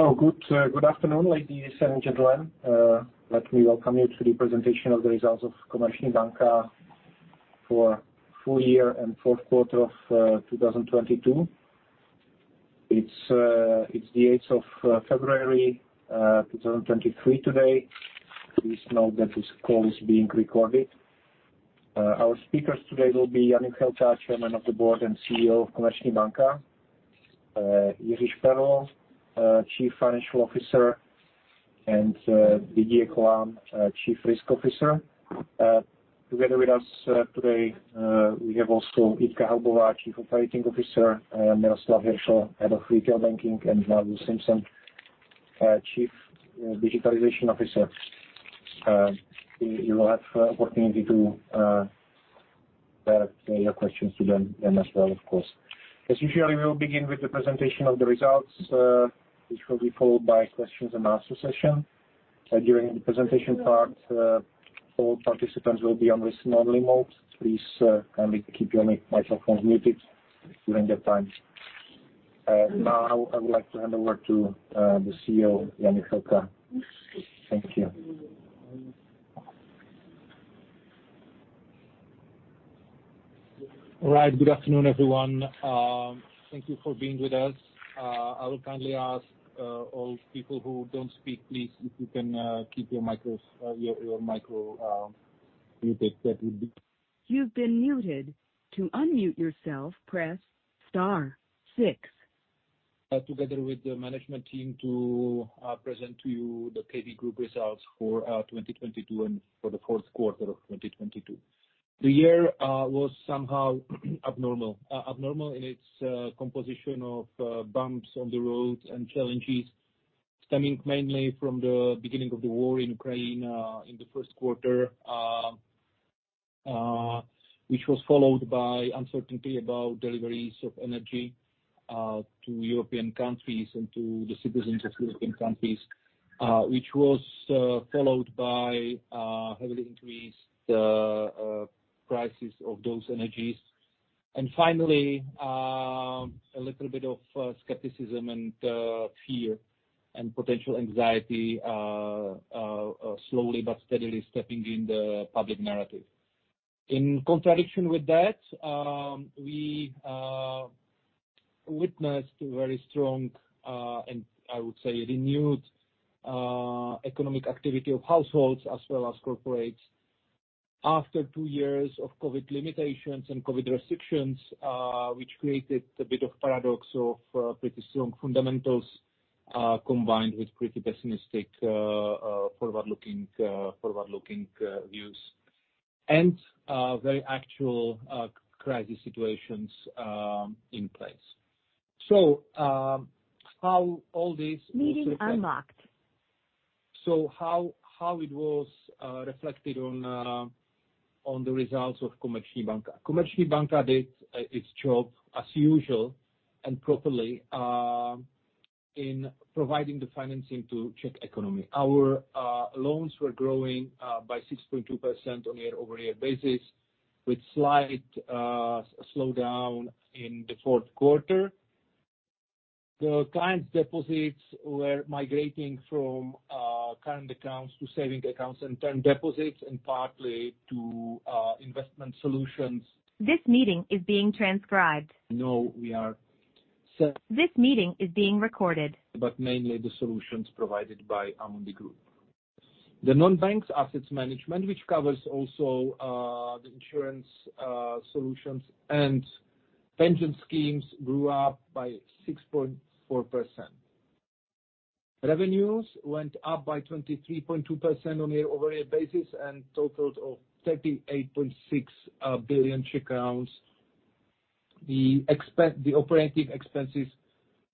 Good afternoon, ladies and gentlemen. Let me welcome you to the presentation of the results of Komerční banka for full year and Q4 of 2022. It's the February 8th, 2023 today. Please note that this call is being recorded. Our speakers today will be Jan Juchelka, Chairman of the Board and CEO of Komerční banka, Jiří Šperl, Chief Financial Officer, and Didier Colin, Chief Risk Officer. Together with us today, we have also Jitka Haubová, Chief Operating Officer, Miroslav Hiršl, Head of Retail Banking, and Margus Simson, Chief Digitalization Officer. You will have opportunity to direct your questions to them as well, of course. As usual, we will begin with the presentation of the results, which will be followed by Q&A session. During the presentation part, all participants will be on listen-only mode. Please kindly keep your microphones muted during that time. Now I would like to hand over to the CEO, Jan Juchelka. Thank you. All right. Good afternoon, everyone. Thank you for being with us. I will kindly ask all people who don't speak, please, if you can keep your micro muted, that would be You've been muted. To unmute yourself, press star six. Together with the management team to present to you the KB Group results for 2022 and for the Q4 of 2022. The year was somehow abnormal. Abnormal in its composition of bumps on the road and challenges stemming mainly from the beginning of the war in Ukraine in the Q1, which was followed by uncertainty about deliveries of energy to European countries and to the citizens of European countries, which was followed by heavily increased prices of those energies. Finally, a little bit of skepticism and fear and potential anxiety slowly but steadily stepping in the public narrative. In contradiction with that, we witnessed very strong, and I would say renewed, economic activity of households as well as corporates after two years of COVID limitations and COVID restrictions, which created a bit of paradox of pretty strong fundamentals, combined with pretty pessimistic, forward-looking views, and very actual crisis situations in place. How all this Meeting unlocked. How it was reflected on the results of Komerční banka. Komerční banka did its job as usual and properly in providing the financing to Czech economy. Our loans were growing by 6.2% on year-over-year basis, with slight slowdown in the Q4. The client deposits were migrating from current accounts to saving accounts and term deposits and partly to investment solutions. This meeting is being transcribed. No, we are. This meeting is being recorded. Mainly the solutions provided by Amundi Group. The non-bank assets management, which covers also the insurance solutions and pension schemes, grew up by 6.4%. Revenues went up by 23.2% on year-over-year basis and totaled 38.6 billion Czech crowns. The operating expenses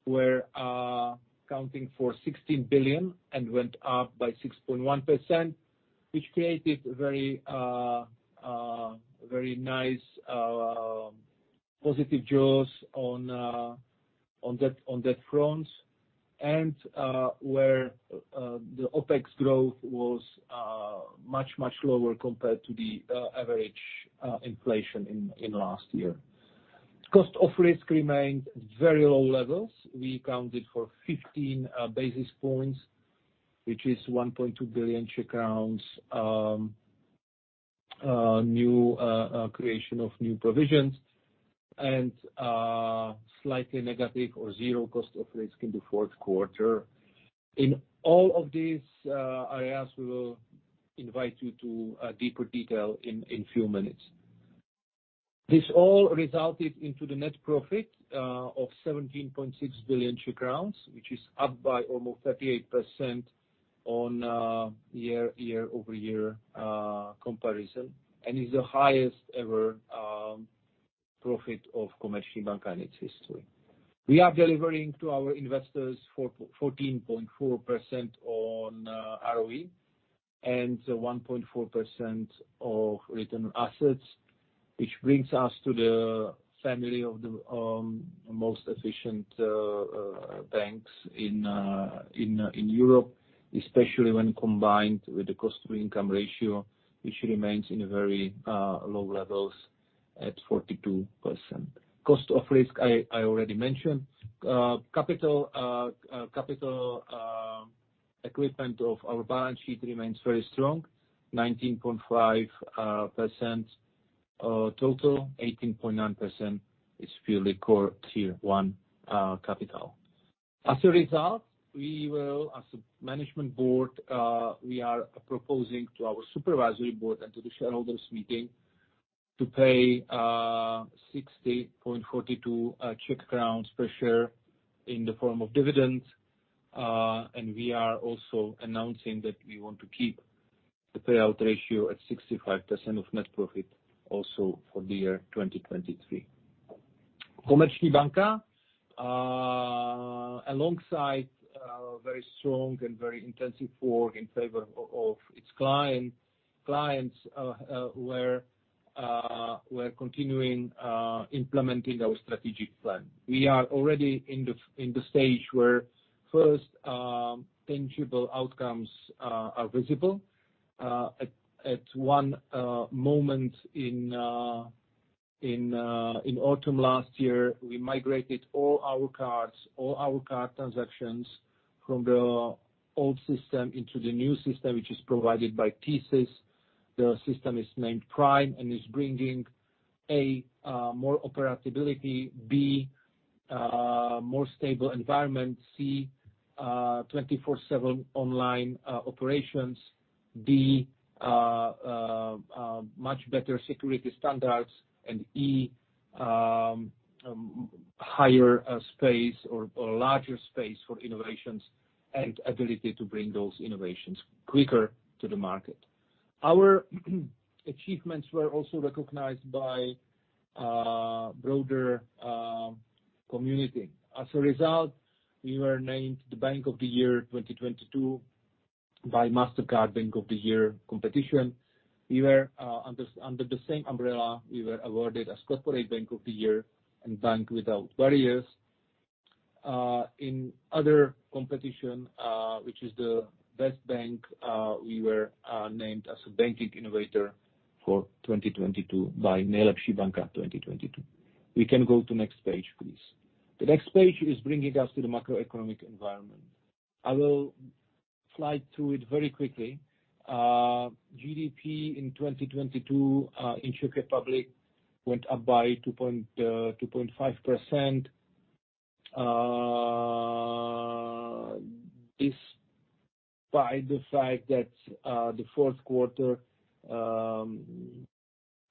were accounting for 16 billion and went up by 6.1%, which created very nice positive jaws on that front, and where the OpEx growth was much, much lower compared to the average inflation in last year. Cost of risk remained very low levels. We accounted for 15 basis points, which is 1.2 billion new creation of new provisions and slightly negative or zero cost of risk in the Q4. In all of these areas, we will invite you to deeper detail in few minutes. This all resulted into the net profit of 17.6 billion Czech crowns, which is up by almost 38% on year-over-year comparison, and is the highest ever profit of Komerční banka in its history. We are delivering to our investors four. 14.4% on ROE and 1.4% of return assets, which brings us to the family of the most efficient banks in Europe, especially when combined with the cost to income ratio, which remains in very low levels. At 42%. cost of risk I already mentioned. Capital equipment of our balance sheet remains very strong, 19.5% total. 18.9% is fully core Tier 1 capital. As a result, as a management board, we are proposing to our supervisory board and to the shareholders meeting to pay 60.42 Czech crowns per share in the form of dividends. We are also announcing that we want to keep the payout ratio at 65% of net profit also for the year 2023. Komerční banka, alongside very strong and very intensive work in favor of its clients, we're continuing implementing our strategic plan. We are already in the stage where first tangible outcomes are visible. At one moment in autumn last year, we migrated all our cards, all our card transactions from the old system into the new system, which is provided by TSYS. The system is named PRIME and is bringing, A, more operability, B, more stable environment, C, 24/7 online operations, D, much better security standards, and E, higher space or larger space for innovations and ability to bring those innovations quicker to the market. Our achievements were also recognized by broader community. We were named the Corporate Bank of the Year 2022 by Mastercard Bank of the Year competition. We were under the same umbrella, we were awarded as Corporate Bank of the Year and Bank without Barriers. In other competition, which is the best bank, we were named as a banking innovator for 2022 by Nejlepší banka 2022. We can go to next page, please. The next page is bringing us to the macroeconomic environment. I will fly through it very quickly. GDP in 2022 in Czech Republic went up by 2.5% despite the fact that the Q4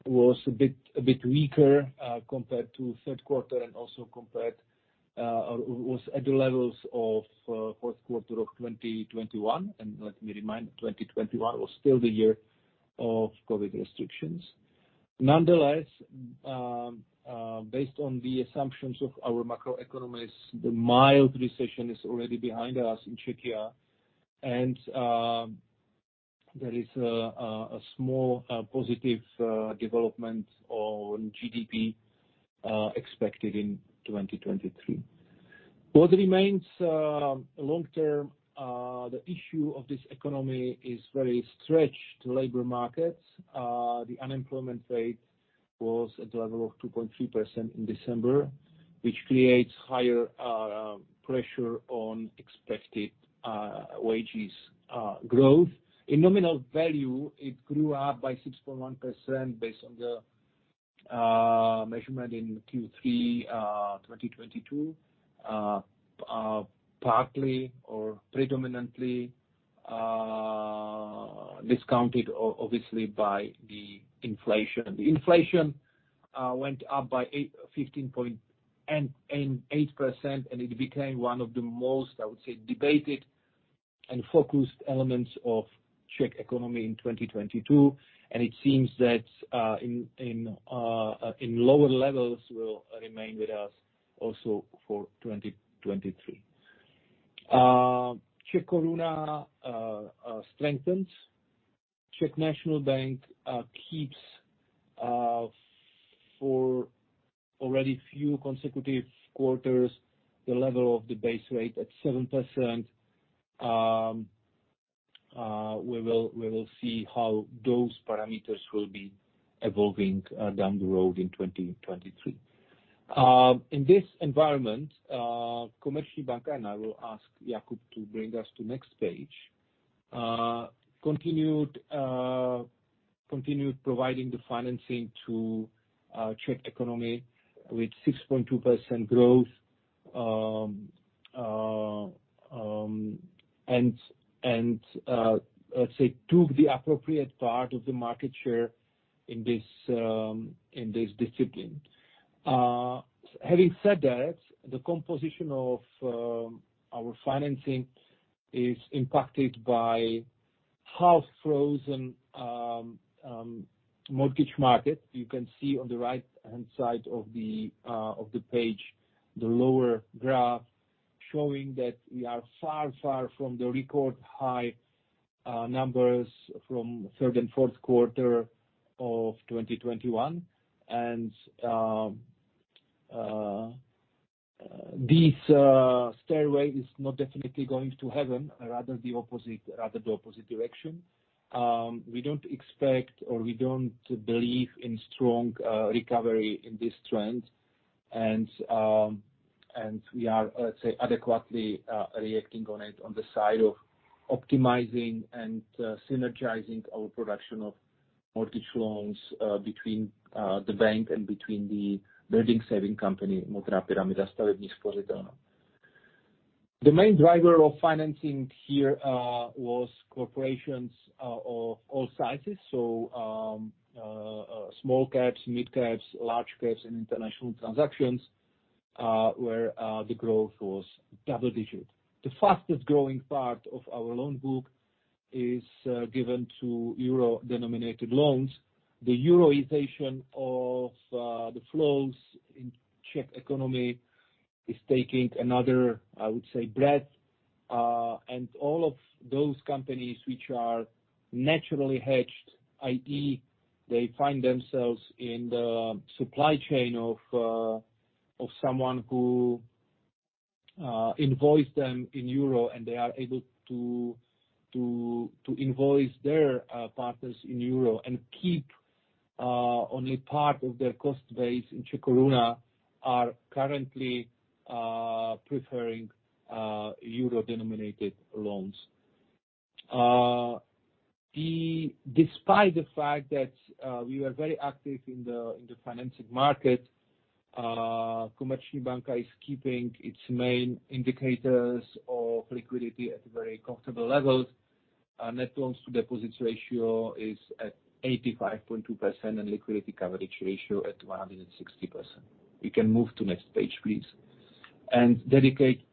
was a bit weaker compared to Q3 and also compared or was at the levels of Q4 of 2021. Let me remind, 2021 was still the year of COVID restrictions. Nonetheless, based on the assumptions of our macroeconomists, the mild recession is already behind us in Czechia, and there is a small positive development on GDP expected in 2023. What remains, long term, the issue of this economy is very stretched labor markets. The unemployment rate was at the level of 2.3% in December, which creates higher pressure on expected wages growth. In nominal value, it grew up by 6.1% based on the measurement in Q3 2022. Partly or predominantly discounted obviously by the inflation. The inflation went up by 15.8%, and it became one of the most, I would say, debated and focused elements of Czech economy in 2022. It seems that in lower levels will remain with us also for 2023. Czech koruna strengthened. Czech National Bank keeps for already few consecutive quarters, the level of the base rate at 7%. We will see how those parameters will be evolving down the road in 2023. In this environment, Komerční banka, and I will ask Jakub to bring us to next page, continued providing the financing to Czech economy with 6.2% growth, and let's say, took the appropriate part of the market share in this discipline. Having said that, the composition of our financing is impacted by half-frozen mortgage market. You can see on the right-hand side of the page, the lower graph showing that we are far from the record high numbers from third and Q4 of 2021. This stairway is not definitely going to heaven, rather the opposite direction. We don't expect or we don't believe in strong recovery in this trend. We are, let's say, adequately reacting on it on the side of optimizing and synergizing our production of mortgage loans between the bank and between the building saving company, Modrá pyramida stavební spořitelna. The main driver of financing here was corporations of all sizes. Small caps, mid caps, large caps in international transactions, where the growth was double-digit. The fastest-growing part of our loan book is given to euro-denominated loans. The euroization of the flows in Czech economy is taking another, I would say, breath. All of those companies which are naturally hedged, i.e. they find themselves in the supply chain of someone who invoice them in euro, and they are able to invoice their partners in euro and keep only part of their cost base in Czech koruna, are currently preferring euro-denominated loans. Despite the fact that we are very active in the financing market, Komerční banka is keeping its main indicators of liquidity at very comfortable levels. Our net loans to deposits ratio is at 85.2%, and liquidity coverage ratio at 160%. We can move to next page, please. Dedicate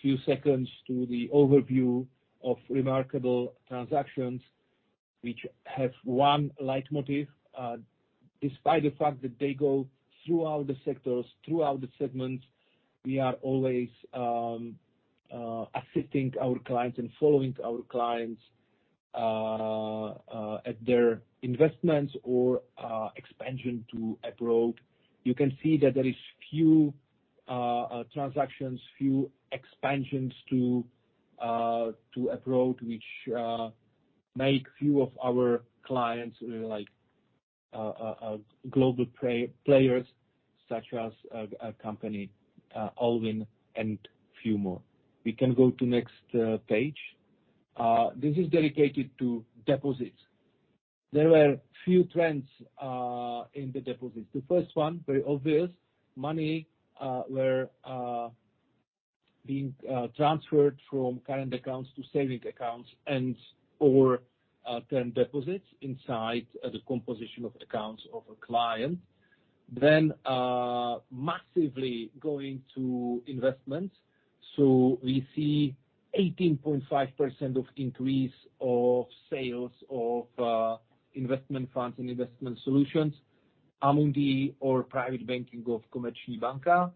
few seconds to the overview of remarkable transactions which have one leitmotif. Despite the fact that they go throughout the sectors, throughout the segments, we are always assisting our clients and following our clients at their investments or expansion to abroad. You can see that there is few transactions, few expansions to abroad, which make few of our clients like global players such as a company Alwyn and few more. We can go to next page. This is dedicated to deposits. There were few trends in the deposits. The first one, very obvious, money were being transferred from current accounts to saving accounts and or term deposits inside the composition of accounts of a client. Then massively going to investments. We see 18.5% of increase of sales of investment funds and investment solutions, Amundi or private banking of Komerční banka.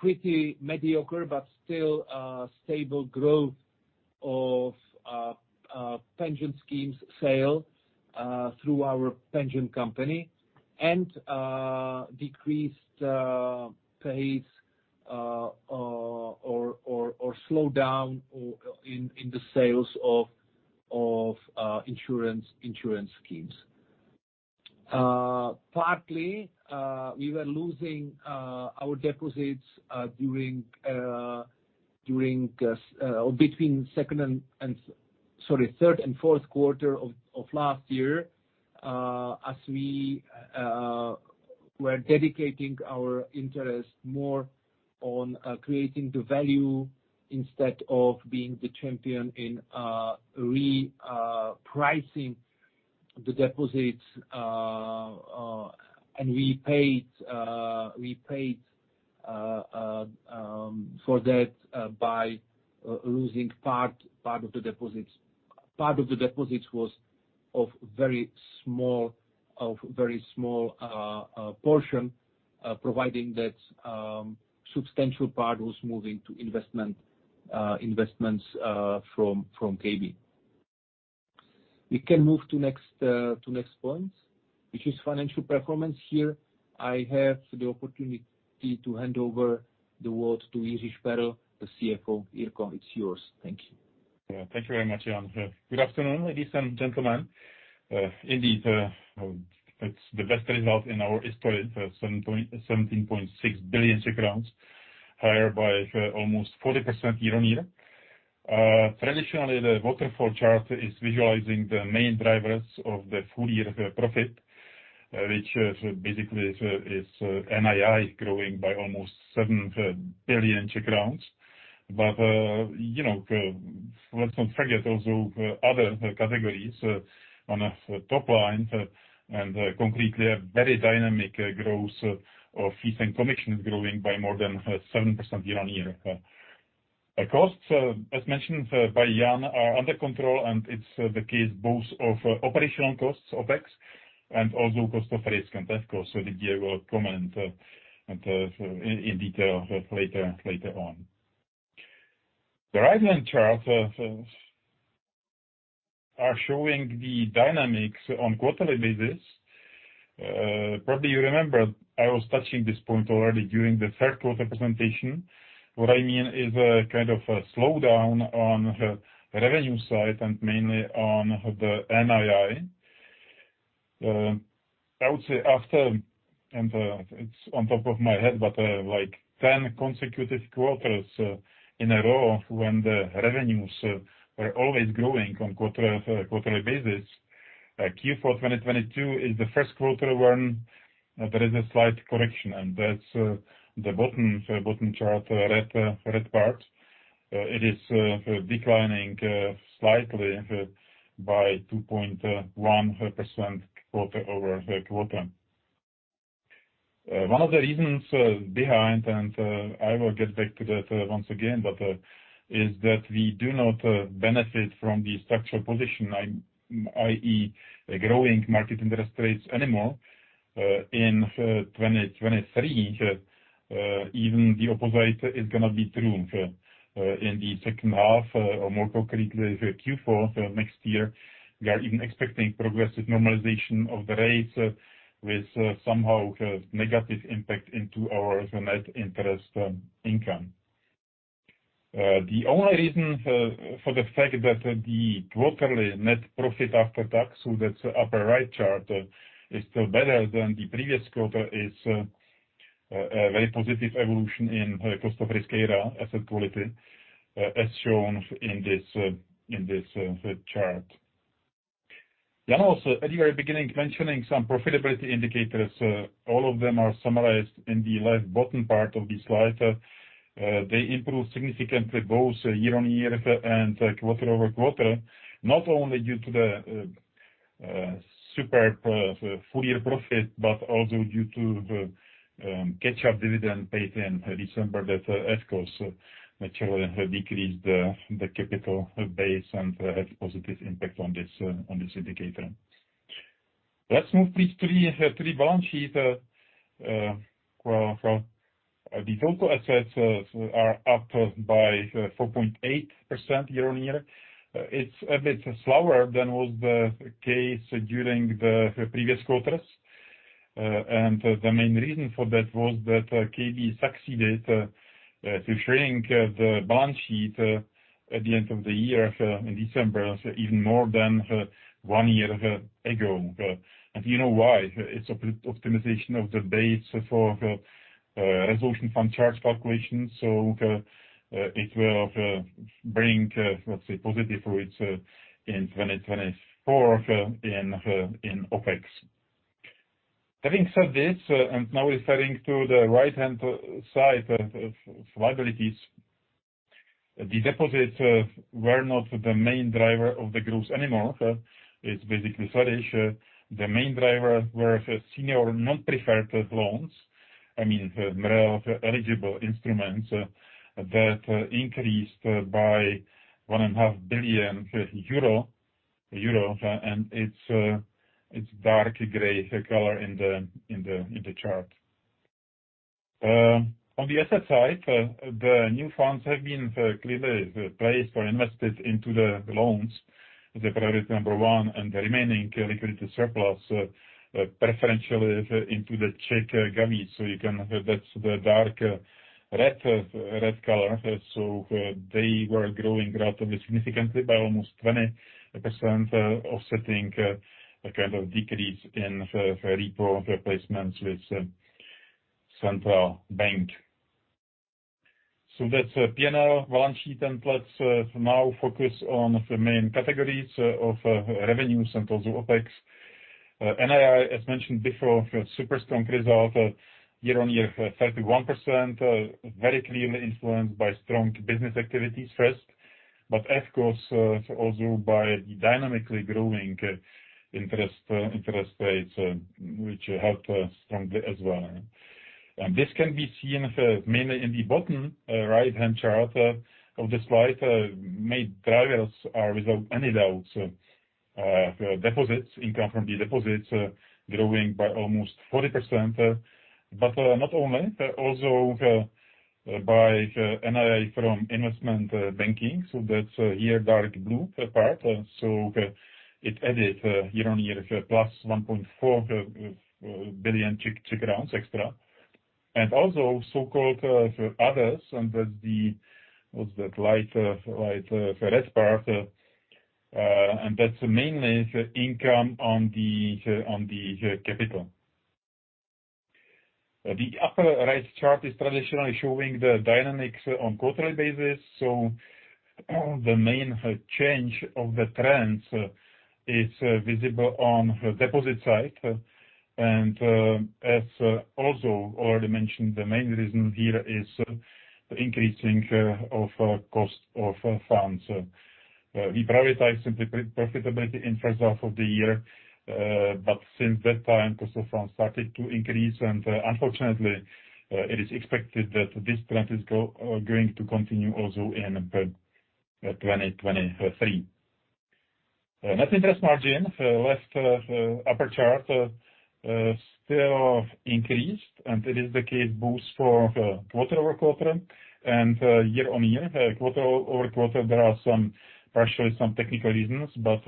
Pretty mediocre but still stable growth of pension schemes sale through our pension company. Decreased pace, or slow down in the sales of insurance schemes. Partly, we were losing our deposits during or between third and Q4 of last year. As we were dedicating our interest more on creating the value instead of being the champion in pricing the deposits. We paid for that by losing part of the deposits. Part of the deposits was of very small portion, providing that substantial part was moving to investments from KB. We can move to next point, which is financial performance here. I have the opportunity to hand over the world to Jiří Šperl, the CFO. Jiří, it's yours. Thank you. Thank you very much, Jan. Good afternoon, ladies and gentlemen. Indeed, it's the best result in our history, the 17.6 billion Czech crowns, higher by almost 40% year-on-year. Traditionally, the waterfall chart is visualizing the main drivers of the full year profit, which basically is NII growing by almost 7 billion Czech crowns. You know, let's not forget also other categories on a top line, and concretely, a very dynamic growth of fees and commissions growing by more than 7% year-on-year. Costs, as mentioned by Jan, are under control, and it's the case both of operational costs, OpEx, and also cost of risk and tax costs. Didier will comment in detail later on. The right-hand chart is showing the dynamics on quarterly basis. Probably you remember I was touching this point already during the Q3 presentation. What I mean is a kind of a slowdown on the revenue side, and mainly on the NII. I would say after, and it's on top of my head, but like 10 consecutive quarters in a row when the revenues were always growing on quarterly basis. Q4 2022 is the Q1 when there is a slight correction, and that's the bottom chart, red part. It is declining slightly by 2.1% quarter-over-quarter. One of the reasons behind, I will get back to that once again, is that we do not benefit from the structural position, i.e. growing market interest rates anymore. In 2023, even the opposite is gonna be true. In the second half or more concretely Q4 next year, we are even expecting progressive normalization of the rates with somehow negative impact into our net interest income. The only reason for the fact that the quarterly net profit after tax, so that's upper right chart, is still better than the previous quarter is a very positive evolution in cost of risk era asset quality, as shown in this chart. Jan also at the very beginning mentioning some profitability indicators. All of them are summarized in the left bottom part of the slide. They improved significantly both year-on-year and quarter-over-quarter, not only due to the superb full year profit, but also due to the catch-up dividend paid in December that of course naturally decreased the capital base and had positive impact on this, on this indicator. Let's move please to the three balance sheet. Well, the total assets are up by 4.8% year-on-year. It's a bit slower than was the case during the previous quarters. The main reason for that was that KB succeeded to shrink the balance sheet at the end of the year in December, even more than one year ago. You know why? It's optimization of the base for resolution fund charge calculation, so it will bring, let's say positive fruits in 2024 in OpEx. Having said this, now we're turning to the right-hand side of liabilities. The deposits were not the main driver of the groups anymore. It's basically solid. The main driver were senior non-preferred notes. I mean, MREL-eligible instruments that increased by 1.5 billion euro. It's dark gray color in the chart. On the asset side, the new funds have been clearly placed or invested into the loans as the priority number one and the remaining liquidity surplus preferentially into the Czech govies. That's the dark red color. They were growing relatively significantly by almost 20%, offsetting a kind of decrease in repo replacements with Czech National Bank. That's a P&L balance sheet, let's now focus on the main categories of revenues and also OpEx. NII, as mentioned before, super strong result year-on-year 31%, very clearly influenced by strong business activities first, but of course also by the dynamically growing interest rates which helped strongly as well. This can be seen mainly in the bottom right-hand chart of the slide. Main drivers are without any doubt, deposits, income from the deposits growing by almost 40%. Not only, also by NII from investment banking. That's here dark blue part. It added year-on-year plus 1.4 billion extra. Also so-called others, and that's What's that? Light, light red part. That's mainly income on the capital. The upper right chart is traditionally showing the dynamics on quarterly basis. The main change of the trends is visible on deposit side. As also already mentioned, the main reason here is increasing of cost of funds. We prioritize simply profitability in first half of the year. But since that time cost of funds started to increase, and unfortunately it is expected that this trend is going to continue also in 2023. Net interest margin, left upper chart, still increased. It is the case both for quarter-over-quarter and year-on-year. Quarter-over-quarter, there are some partially some technical reasons, but,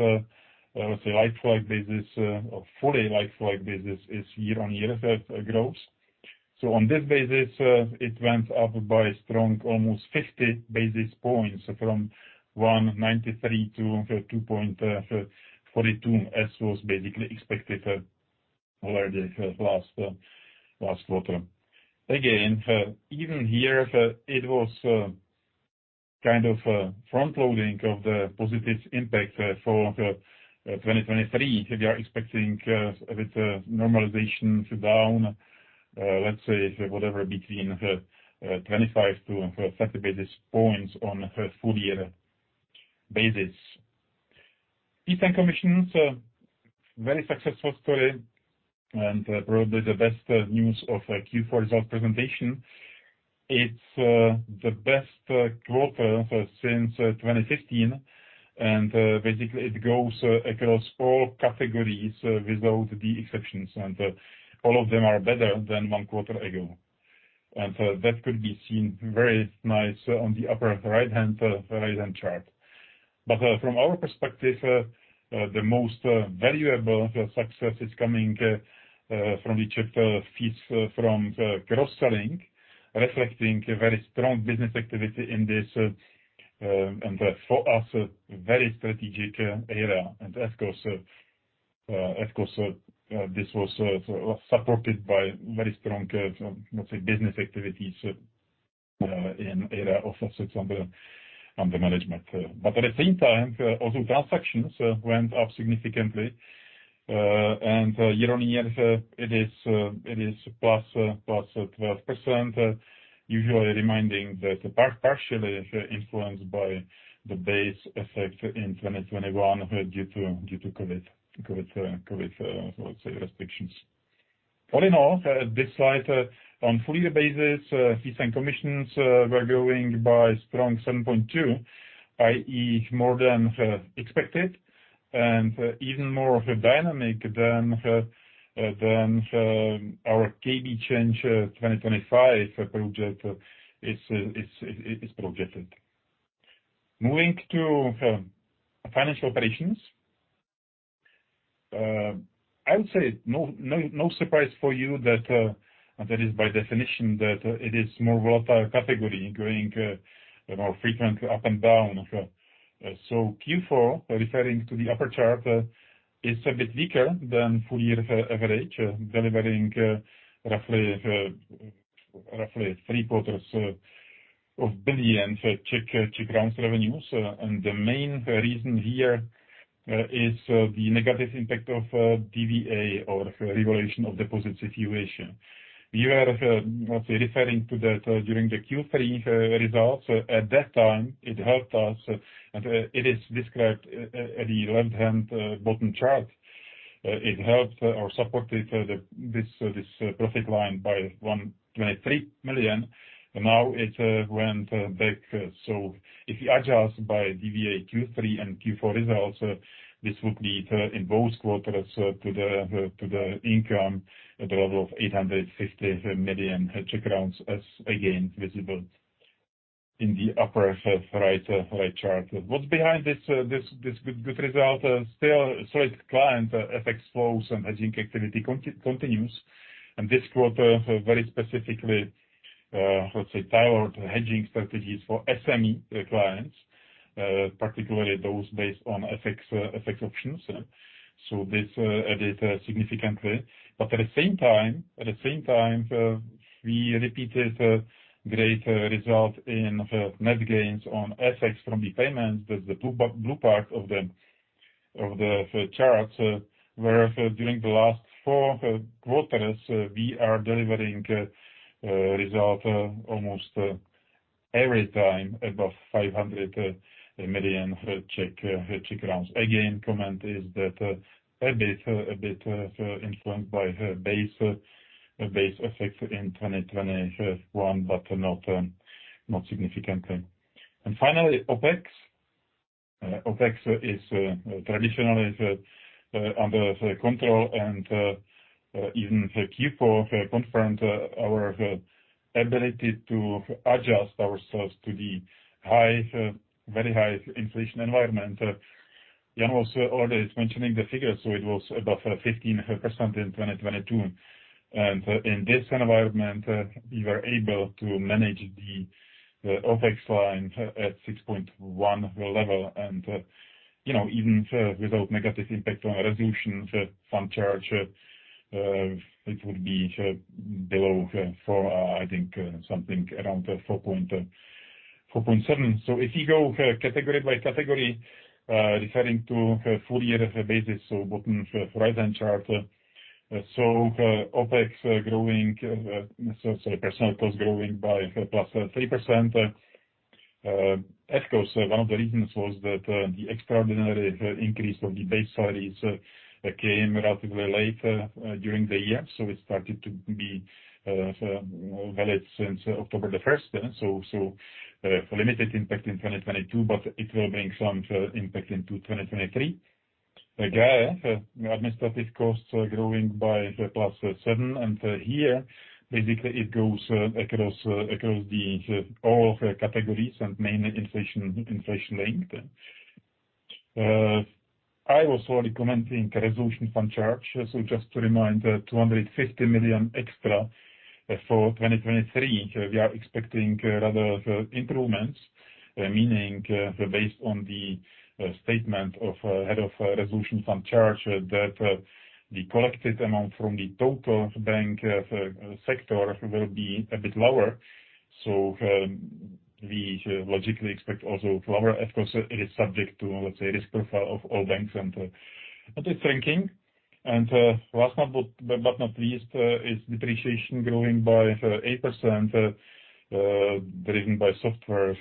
let's say, lifelike business or fully lifelike business is year-on-year grows. On this basis, it went up by strong almost 50 basis points from 1.93 to 2.42, as was basically expected already last quarter. Even here, it was kind of a front-loading of the positive impact for the 2023. We are expecting a bit of normalization down, let's say, whatever between 25 to 30 basis points on a full year basis. Fees and commissions are very successful story, probably the best news of Q4 result presentation. It's the best quarter since 2015. Basically it goes across all categories without the exceptions. All of them are better than one quarter ago. That could be seen very nice on the upper right-hand chart. From our perspective, the most valuable success is coming from the chapter fees from the cross-selling, reflecting a very strong business activity in this, and for us, a very strategic area. Of course, of course, this was supported by very strong, let's say, business activities, in area of assets under management. At the same time, also transactions went up significantly, and year on year, it is plus 12%. Usually reminding that partially influenced by the base effect in 2021 due to COVID, let's say restrictions. All in all, this slide, on full year basis, fees and commissions, were growing by strong 7.2, i.e., more than expected, and even more of a dynamic than our KB Change 2025 project is projected. Moving to financial operations. I would say no surprise for you that that is by definition that it is more volatile category going, you know, frequently up and down. Q4, referring to the upper chart, is a bit weaker than full year average, delivering roughly three-quarters of a billion CZK revenues. The main reason here is the negative impact of DVA or regulation of deposits evaluation. We were, let's say, referring to that during the Q3 results. At that time, it helped us, and it is described at the left-hand bottom chart. It helped or supported this profit line by 123 million. Now it went back. If you adjust by DVA Q3 and Q4 results, this would be in both quarters to the income at the level of 850 million Czech crowns as again visible in the upper right chart. What's behind this good result? Still solid client FX flows and hedging activity continues. This quarter, very specifically, let's say, tailored hedging strategies for SME clients, particularly those based on FX options. This added significantly. At the same time, we repeated great result in net gains on FX from the payments. That's the blue part of the chart, where during the last four quarters, we are delivering result almost every time above 500 million. Comment is that a bit influenced by base effect in 2021, but not significantly. Finally, OpEx. OpEx is traditionally under control, even the Q4 confirmed our ability to adjust ourselves to the high, very high inflation environment. Jan was already mentioning the figures, it was above 15% in 2022. In this environment, we were able to manage the OpEx line at 6.1 level. You know, even without negative impact on resolution fund charge, it would be below 4, I think something around 4.7. If you go category by category, referring to full year basis, bottom right-hand chart. OpEx growing, personnel cost growing by +3%. Of course, one of the reasons was that the extraordinary increase of the base salaries came relatively late during the year. It started to be valid since October 1st. Limited impact in 2022, but it will bring some impact into 2023. Again, the administrative costs are growing by +7%. Here, basically it goes across all of the categories and mainly inflation linked. I also recommending resolution fund charge. Just to remind, 250 million extra for 2023. We are expecting rather improvements, meaning, based on the statement of head of resolution fund charge that the collected amount from the total bank sector will be a bit lower. We logically expect also lower. Of course, it is subject to, let's say, risk profile of all banks and audit ranking. Last but not least, is depreciation growing by 8%, driven by software,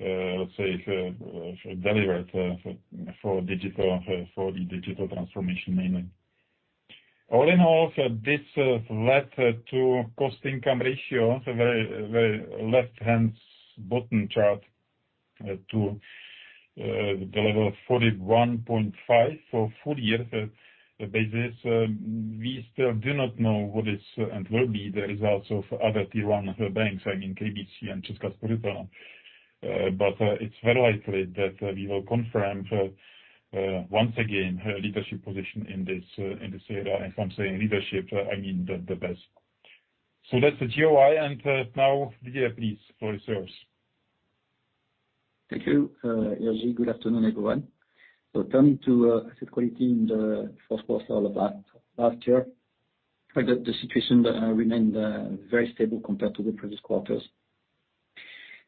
let's say, delivered for digital, for the digital transformation mainly. All in all, this has led to cost to income ratio, so very, very left-hand bottom chart, to the level of 41.5 for full year basis. We still do not know what is and will be the results of other Tier 1 banks, I mean, KBC and ČSOB. It's very likely that we will confirm once again leadership position in this in this area. If I'm saying leadership, I mean the best. That's the GOI. Now Didier, please, for reserves. Thank you, Jiří. Good afternoon, everyone. Turning to asset quality in the Q1 of last year, the situation remained very stable compared to the previous quarters.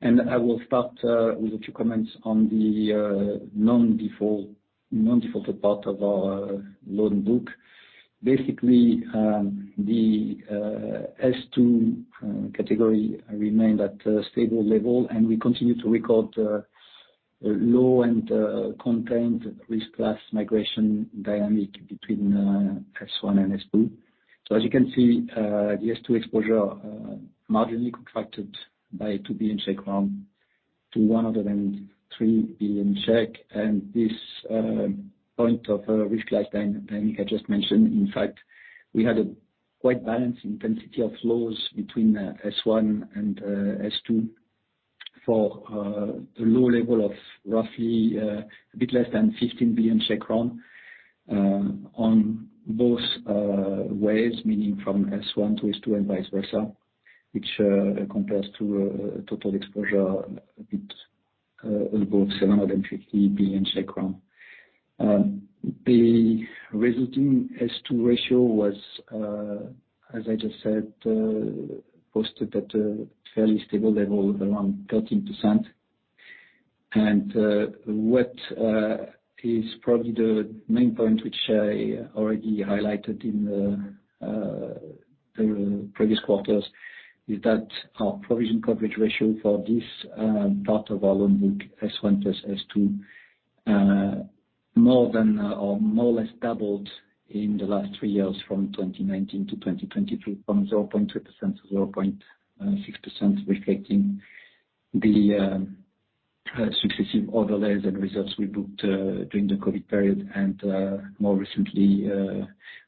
I will start with a few comments on the non-defaulted part of our loan book. Basically, the S2 category remained at a stable level, and we continue to record low and contained risk-less migration dynamic between S1 and S2. As you can see, the S2 exposure marginally contracted by 2 billion Czech crown to 103 billion. This point of risk-less dynamic I just mentioned, in fact, we had a quite balanced intensity of flows between S1 and S2 for the low level of roughly a bit less than 15 billion on both ways, meaning from S1 to S2 and vice versa, which compares to a total exposure a bit above 750 billion. The resulting S2 ratio was as I just said posted at a fairly stable level of around 13%. What is probably the main point, which I already highlighted in the previous quarters, is that our provision coverage ratio for this part of our loan book S1 plus S2, more than or more or less doubled in the last three years from 2019 to 2023, from 0.2% to 0.6%, reflecting the successive overlays and results we booked during the COVID period and more recently,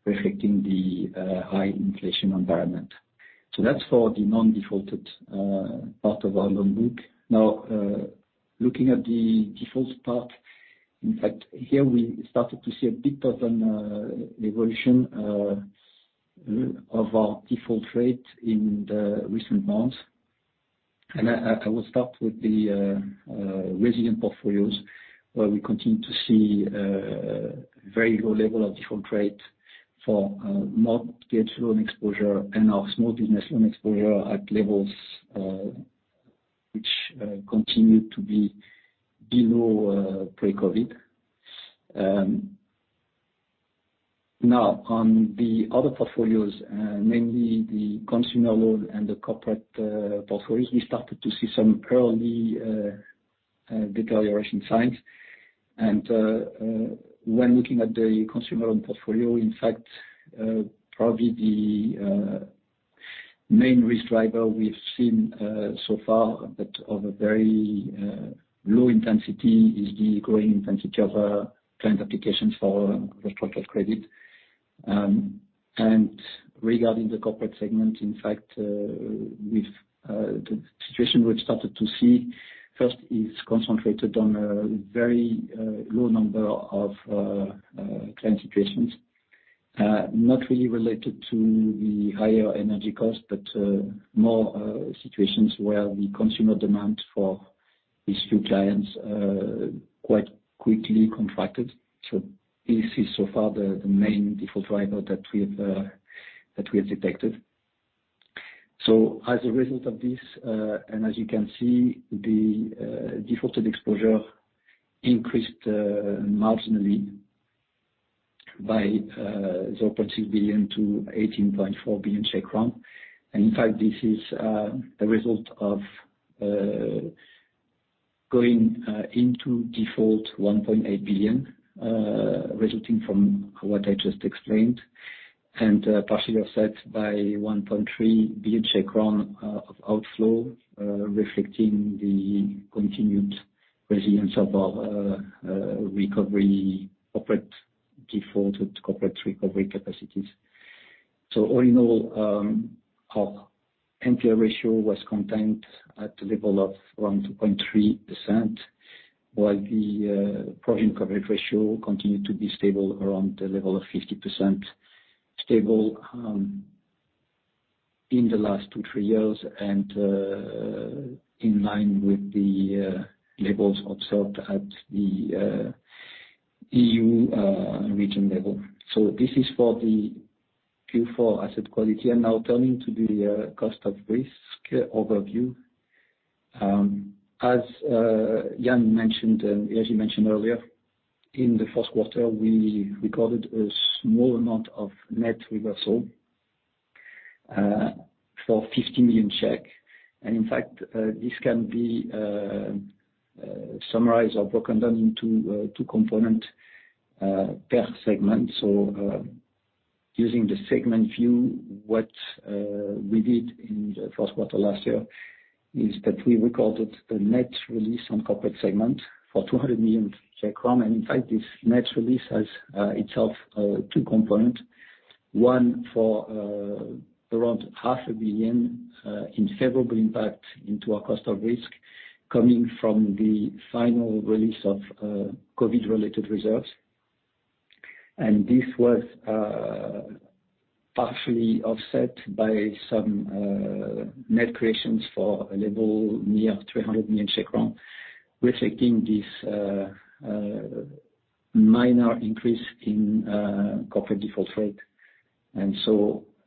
reflecting the high inflation environment. That's for the non-defaulted part of our loan book. Now, looking at the default part, in fact, here we started to see a bit of an evolution of our default rate in the recent months. I will start with the resilient portfolios, where we continue to see very low level of default rate for mortgage loan exposure and our small business loan exposure at levels which continue to be below pre-COVID. Now on the other portfolios, namely the consumer loan and the corporate portfolios, we started to see some early deterioration signs. When looking at the consumer loan portfolio, in fact, probably the main risk driver we've seen so far, but of a very low intensity, is the growing intensity of client applications for restructured credit. Regarding the corporate segment, in fact, with the situation we've started to see, first is concentrated on a very low number of client situations, not really related to the higher energy cost, but more situations where the consumer demand for these few clients quite quickly contracted. This is so far the main default driver that we have detected. As a result of this, and as you can see, the defaulted exposure increased marginally by 0.6 billion to 18.4 billion Czech crown. In fact, this is a result of going into default 1.8 billion, resulting from what I just explained. Partially offset by 1.3 billion Czech crown of outflow, reflecting the continued resilience of our recovery corporate defaulted corporate recovery capacities. All in all, our NPA ratio was contained at the level of around 2.3%, while the provision coverage ratio continued to be stable around the level of 50%, stable in the last two, three years and in line with the levels observed at the EU region level. This is for the Q4 asset quality. I'm now turning to the cost of risk overview. As Jan mentioned, as you mentioned earlier, in the Q1, we recorded a small amount of net reversal for 50 million. In fact, this can be summarized or broken down into two component per segment. Using the segment view, what we did in the Q1 last year is that we recorded a net release on corporate segment for 200 million. In fact, this net release has itself two component, one for around half a billion in favorable impact into our cost of risk coming from the final release of COVID-related reserves. This was partially offset by some net creations for a level near 300 million, reflecting this minor increase in corporate default rate.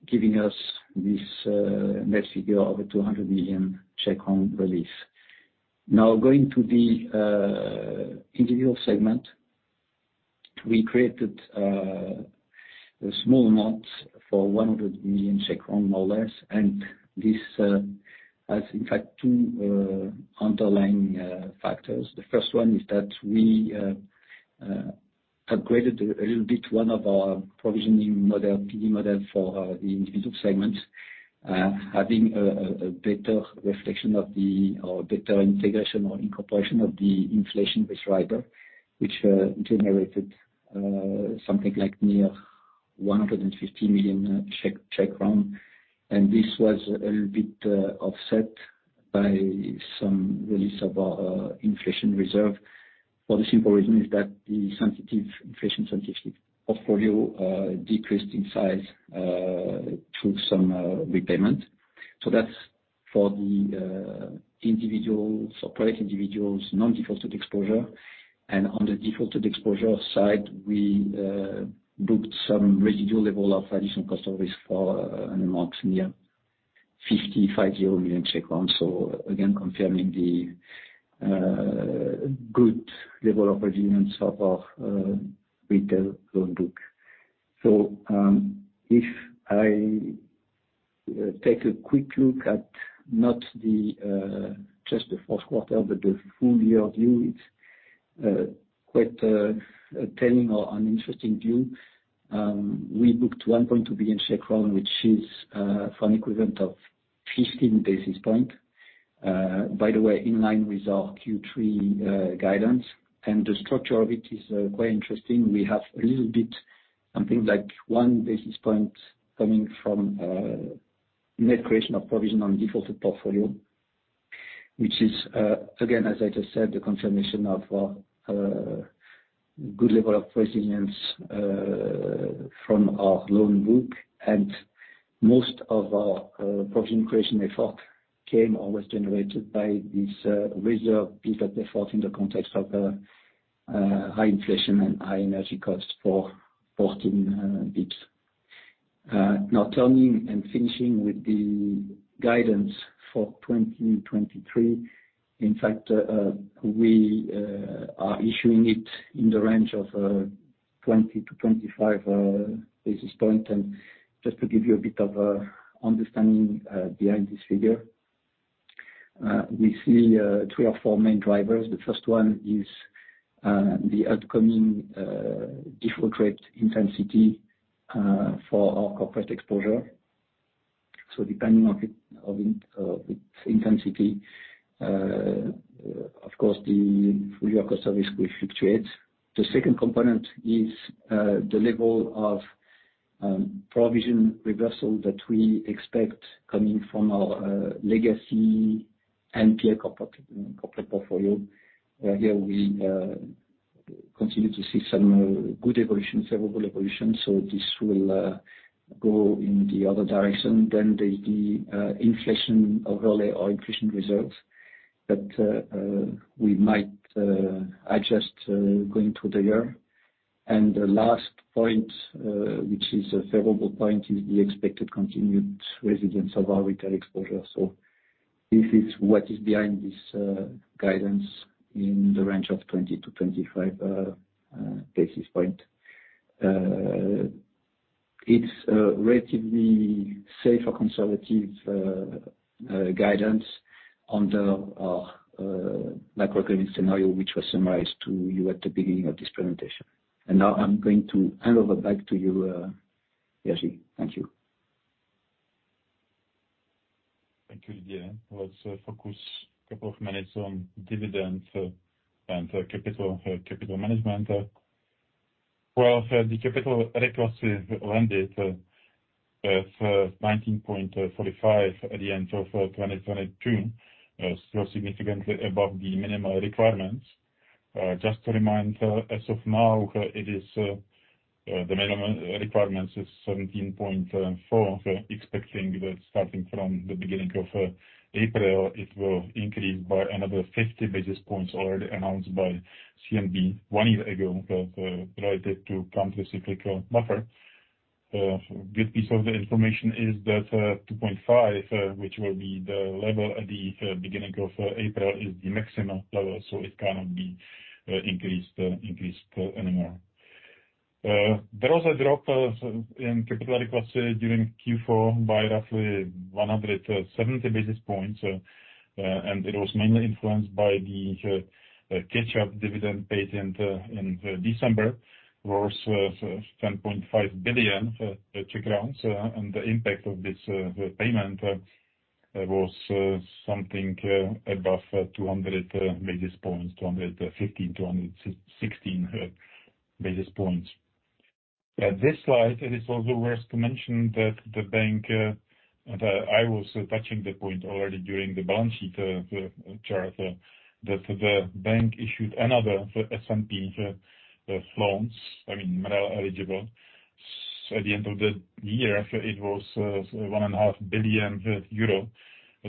Giving us this net figure of 200 million release. Now going to the individual segment. We created a small amount for 100 million Czech crown, more or less. This has in fact two underlying factors. The first one is that we upgraded a little bit one of our provisioning model, PD model for the individual segments, having a better reflection of the or better integration or incorporation of the inflation risk rider, which generated something like near 150 million. This was a little bit offset by some release of our inflation reserve for the simple reason is that the sensitive inflation-sensitive portfolio decreased in size through some repayment. That's for the individuals or private individuals non-defaulted exposure. On the defaulted exposure side, we booked some residual level of additional cost of risk for an amount near CZK 55 million. Again, confirming the good level of resilience of our retail loan book. If I take a quick look at not the just the Q1, but the full year view, it's quite telling or an interesting view. We booked 1.2 billion, which is for an equivalent of 15 basis points, by the way, in line with our Q3 guidance. The structure of it is quite interesting. We have a little bit something like 1 basis point coming from net creation of provision on defaulted portfolio, which is again, as I just said, the confirmation of our good level of resilience from our loan book. Most of our provision creation effort came or was generated by this reserve peak at default in the context of the high inflation and high energy costs for 14 basis points. Now turning and finishing with the guidance for 2023, in fact, we are issuing it in the range of 20 to 25 basis points. Just to give you a bit of understanding behind this figure, we see three or four main drivers. The first one is the upcoming default rate intensity for our corporate exposure. Depending on it, its intensity, of course, the full year cost of risk will fluctuate. The second component is the level of provision reversal that we expect coming from our legacy NPA corporate portfolio. Here we continue to see some good evolution, favorable evolution, so this will go in the other direction than the inflation overlay or inflation results that we might adjust going through the year. The last point, which is a favorable point, is the expected continued resilience of our retail exposure. This is what is behind this guidance in the range of 20 to 25 basis points. It's a relatively safe or conservative guidance. Under our macroeconomy scenario, which was summarized to you at the beginning of this presentation. Now I'm going to hand over back to you, Jiří. Thank you. Thank you, Didier. Let's focus a couple of minutes on dividends and capital management. The capital adequacy landed at 19.45 at the end of 2022. Significantly above the minimum requirements. Just to remind, as of now, it is the minimum requirements is 17.4. Expecting that starting from the beginning of April, it will increase by another 50 basis points already announced by CNB one year ago, related to countercyclical buffer. Good piece of the information is that 2.5, which will be the level at the beginning of April, is the maximum level, it cannot be increased anymore. There was a drop in capital adequacy during Q4 by roughly 170 basis points. It was mainly influenced by the catch-up dividend paid in December. Worth 10.5 billion Czech crowns. The impact of this payment was something above 200 basis points, 215, 216 basis points. At this slide, it is also worth to mention that the bank that I was touching the point already during the balance sheet chart that the bank issued another SNP loans, I mean, MREL eligible. At the end of the year, it was 1.5 billion euro.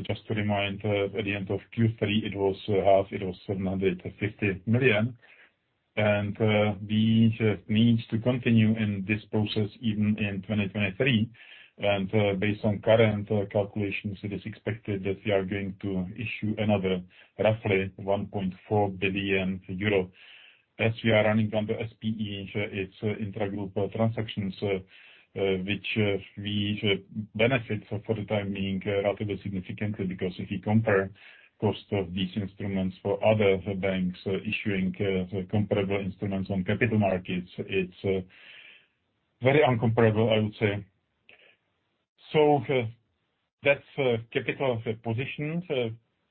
Just to remind, at the end of Q3, it was half, it was 750 million. We need to continue in this process even in 2023. Based on current calculations, it is expected that we are going to issue another roughly 1.4 billion euro. As we are running under SPE, it's intragroup transactions, which we benefit for the time being relatively significantly, because if you compare cost of these instruments for other banks issuing comparable instruments on capital markets, it's very uncomparable, I would say. That's capital position.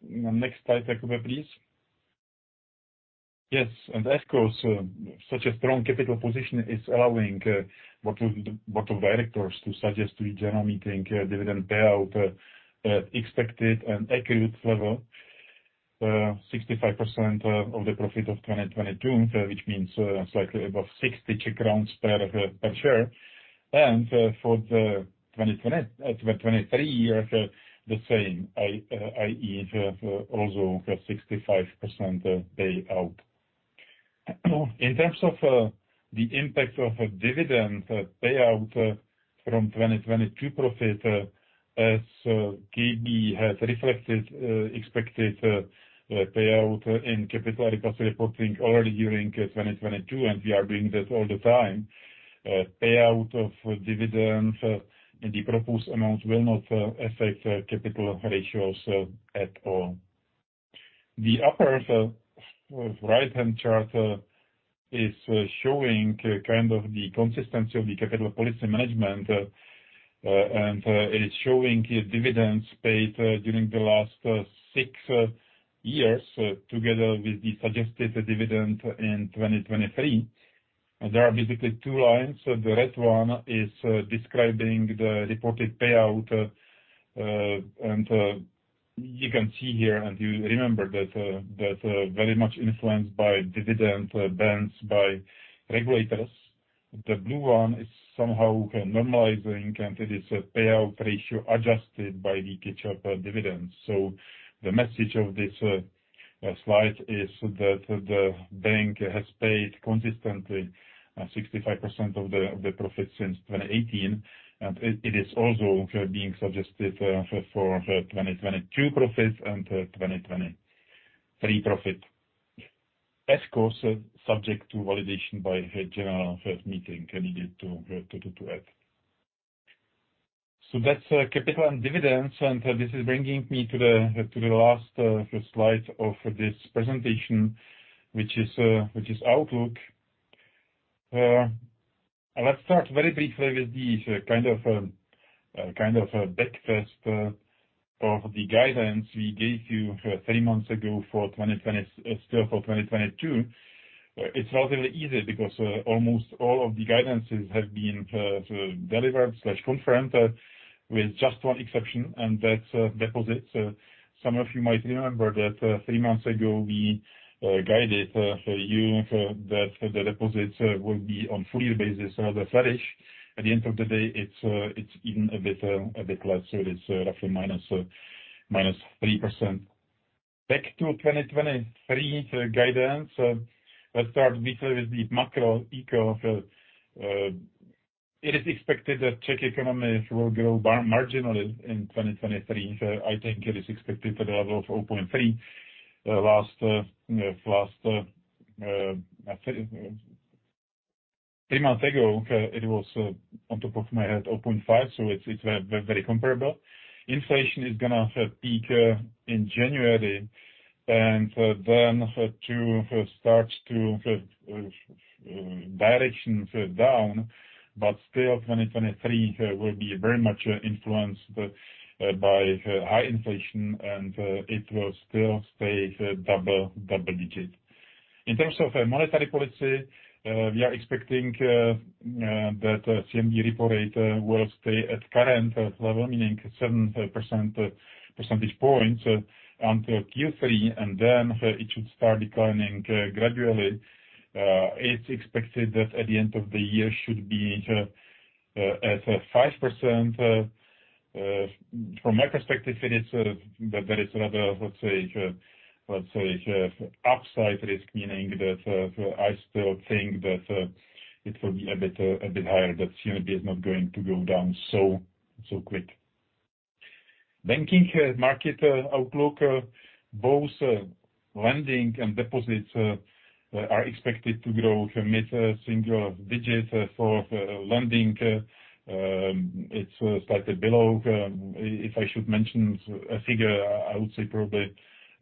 Next slide, Jakub, please. Of course, such a strong capital position is allowing board of directors to suggest to the general meeting a dividend payout, expected and accurate level, 65% of the profit of 2022, which means slightly above 60 Czech crowns per share. For the 2023 year, the same, i.e., also 65% payout. In terms of the impact of dividend payout from 2022 profit, as GB has reflected expected payout in capital adequacy reporting already during 2022, and we are doing this all the time, payout of dividends in the proposed amount will not affect capital ratios at all. The upper right-hand chart is showing kind of the consistency of the capital policy management, and it is showing dividends paid during the last six years, together with the suggested dividend in 2023. There are basically two lines. The red one is describing the reported payout. You can see here, and you remember that very much influenced by dividend bans by regulators. The blue one is somehow normalizing, and it is a payout ratio adjusted by the catch-up dividends. The message of this slide is that the bank has paid consistently 65% of the profit since 2018. It is also being suggested for 2022 profits and 2023 profit. Of course, subject to validation by general meeting, I needed to add. That's capital and dividends, and this is bringing me to the last slide of this presentation, which is outlook. Let's start very briefly with the kind of breakfast of the guidance we gave you three months ago still for 2022. It's relatively easy because almost all of the guidances have been delivered slash confirmed, with just 1 exception, and that's deposits. Some of you might remember that three months ago, we guided you that the deposits will be on full year basis rather flourish. At the end of the day, it's even a bit a bit less, so it is roughly minus 3%. Back to 2023 guidance. Let's start briefly with the macro eco. It is expected that Czech economy will grow marginally in 2023. I think it is expected to the level of 0.3. Last last Three months ago, it was on top of my head, 0.5, so it's very comparable. Inflation is gonna peak in January, and then to start to direction down. Still, 2023 will be very much influenced by high inflation, and it will still stay double digit. In terms of monetary policy, we are expecting that CNB repo rate will stay at current level, meaning 7 percentage points until Q3, and then it should start declining gradually. It's expected that at the end of the year should be at 5%. From my perspective, there is another upside risk, meaning that I still think that it will be a bit higher, that CNB is not going to go down so quick. Banking market outlook. Both lending and deposits are expected to grow mid-single digits. For lending, it's slightly below. If I should mention a figure, I would say probably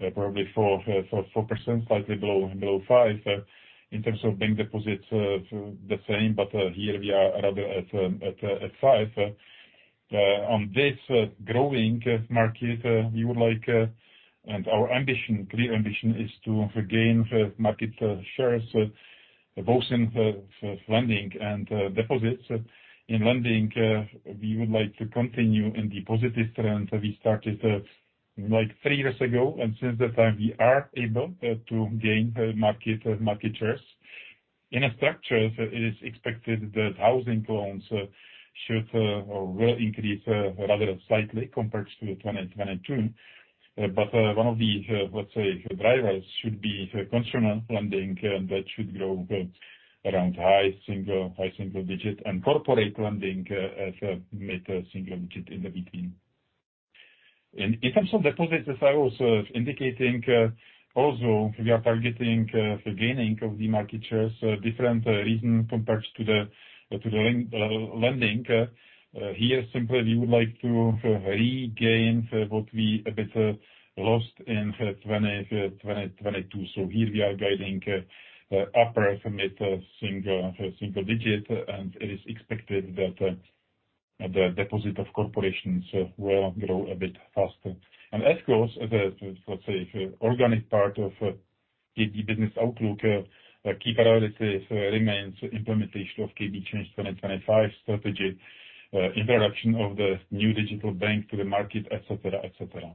4%, slightly below 5%. In terms of bank deposits, the same, but here we are rather at 5%. On this growing market, we would like, and our ambition, clear ambition is to gain market shares both in lending and deposits. In lending, we would like to continue in the positive trend we started, like three years ago, and since that time we are able to gain market shares. In a structure, it is expected that housing loans should or will increase rather slightly compared to 2022. But one of the, let's say, drivers should be consumer lending, that should grow around high single digit, and corporate lending as a mid-single digit in between. In terms of deposits, as I was indicating, also we are targeting the gaining of the market shares, different region compared to the, to the lend-lending. Here, simply, we would like to regain what we a bit lost in 2022. Here we are guiding upper mid-single digit, and it is expected that the deposit of corporations will grow a bit faster. As goes, let's say, organic part of KB business outlook, key priorities remains implementation of KB Change 2025 strategy, introduction of the new digital bank to the market, et cetera, et cetera.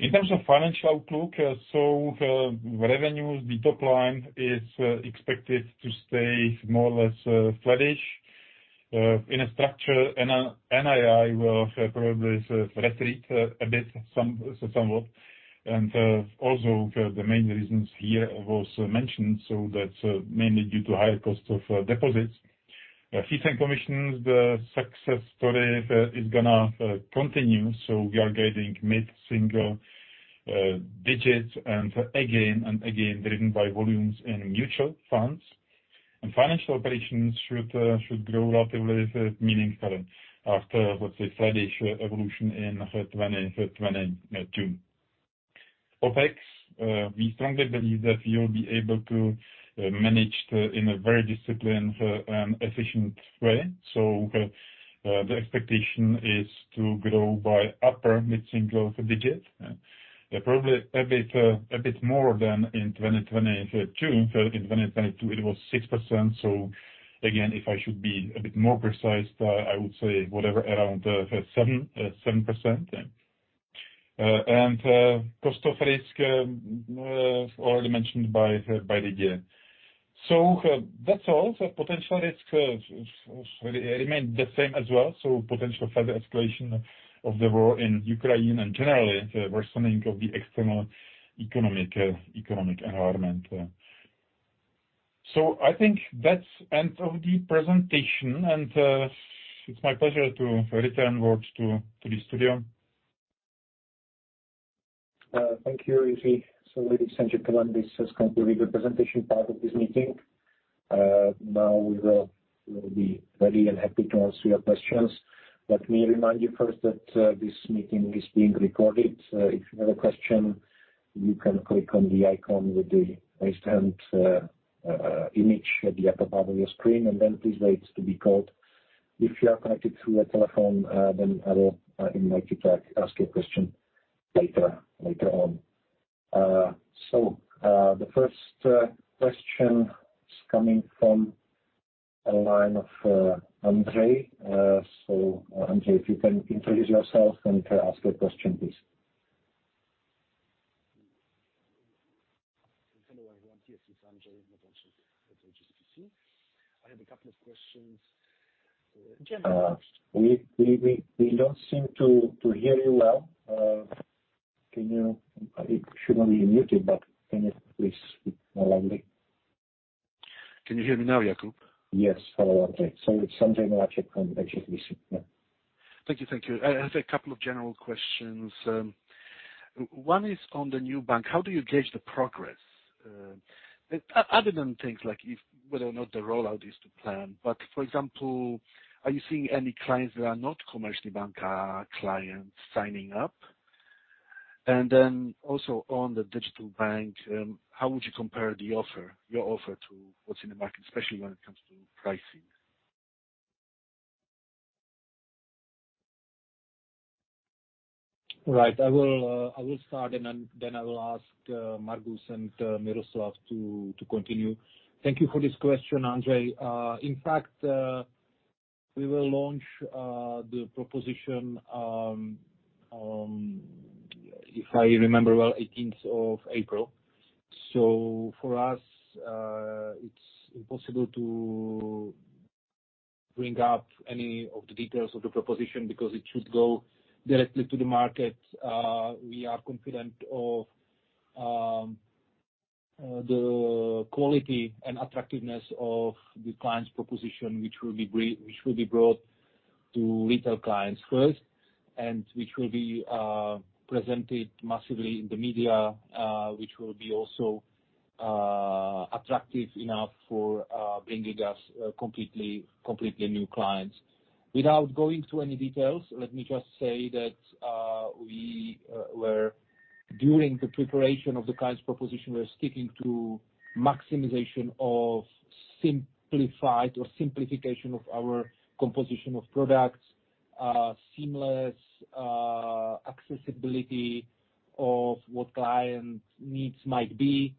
In terms of financial outlook, revenues, the top line is expected to stay more or less flattish. In a structure, NII will probably retreat a bit, somewhat. Also the main reasons here was mentioned, so that's mainly due to higher cost of deposits. Fees and commissions, the success story is gonna continue. We are guiding mid-single digits and again and again driven by volumes in mutual funds. Financial operations should grow relatively meaningful after, let's say, flattish evolution in 2022. OpEx, we strongly believe that we will be able to manage in a very disciplined and efficient way. The expectation is to grow by upper mid-single digit. Probably a bit more than in 2022. In 2022 it was 6%. Again, if I should be a bit more precise, I would say whatever around 7%. cost of risk, already mentioned by Didier. That's all. Potential risk remain the same as well, so potential further escalation of the war in Ukraine and generally the worsening of the external economic environment. I think that's end of the presentation, and it's my pleasure to return words to the studio. Thank you, Jiří. Ladies and gentlemen, this has concluded the presentation part of this meeting. Now we will be ready and happy to answer your questions. Let me remind you first that this meeting is being recorded. If you have a question, you can click on the icon with the raised hand image at the upper part of your screen, and then please wait to be called. If you are connected through a telephone, then I will invite you to ask your question later on. The first question is coming from a line of Andre. Andre, if you can introduce yourself and ask your question, please. Hello, everyone. Yes, it's Andre. We don't seem to hear you well. Can you? You should only be muted, but can you please speak more loudly? Can you hear me now, Jakub? Yes. Hello, Andre. Sorry, sometimes our check can actually miss it. Yeah. Thank you. Thank you. I have a couple of general questions. One is on the new bank. How do you gauge the progress? Other than things like if whether or not the rollout is to plan, but for example, are you seeing any clients that are not Komerční banka clients signing up? And then also on the digital bank, how would you compare the offer, your offer to what's in the market, especially when it comes to pricing? Right. I will start, and then I will ask Margus and Miroslav to continue. Thank you for this question, Andre. In fact, we will launch the proposition, if I remember well, 18th of April. For us, it's impossible to bring up any of the details of the proposition because it should go directly to the market. We are confident of the quality and attractiveness of the client's proposition, which will be brought to retail clients first, and which will be presented massively in the media, which will be also attractive enough for bringing us completely new clients. Without going through any details, let me just say that we were during the preparation of the client's proposition, we're sticking to maximization of simplified or simplification of our composition of products, seamless accessibility of what client needs might be,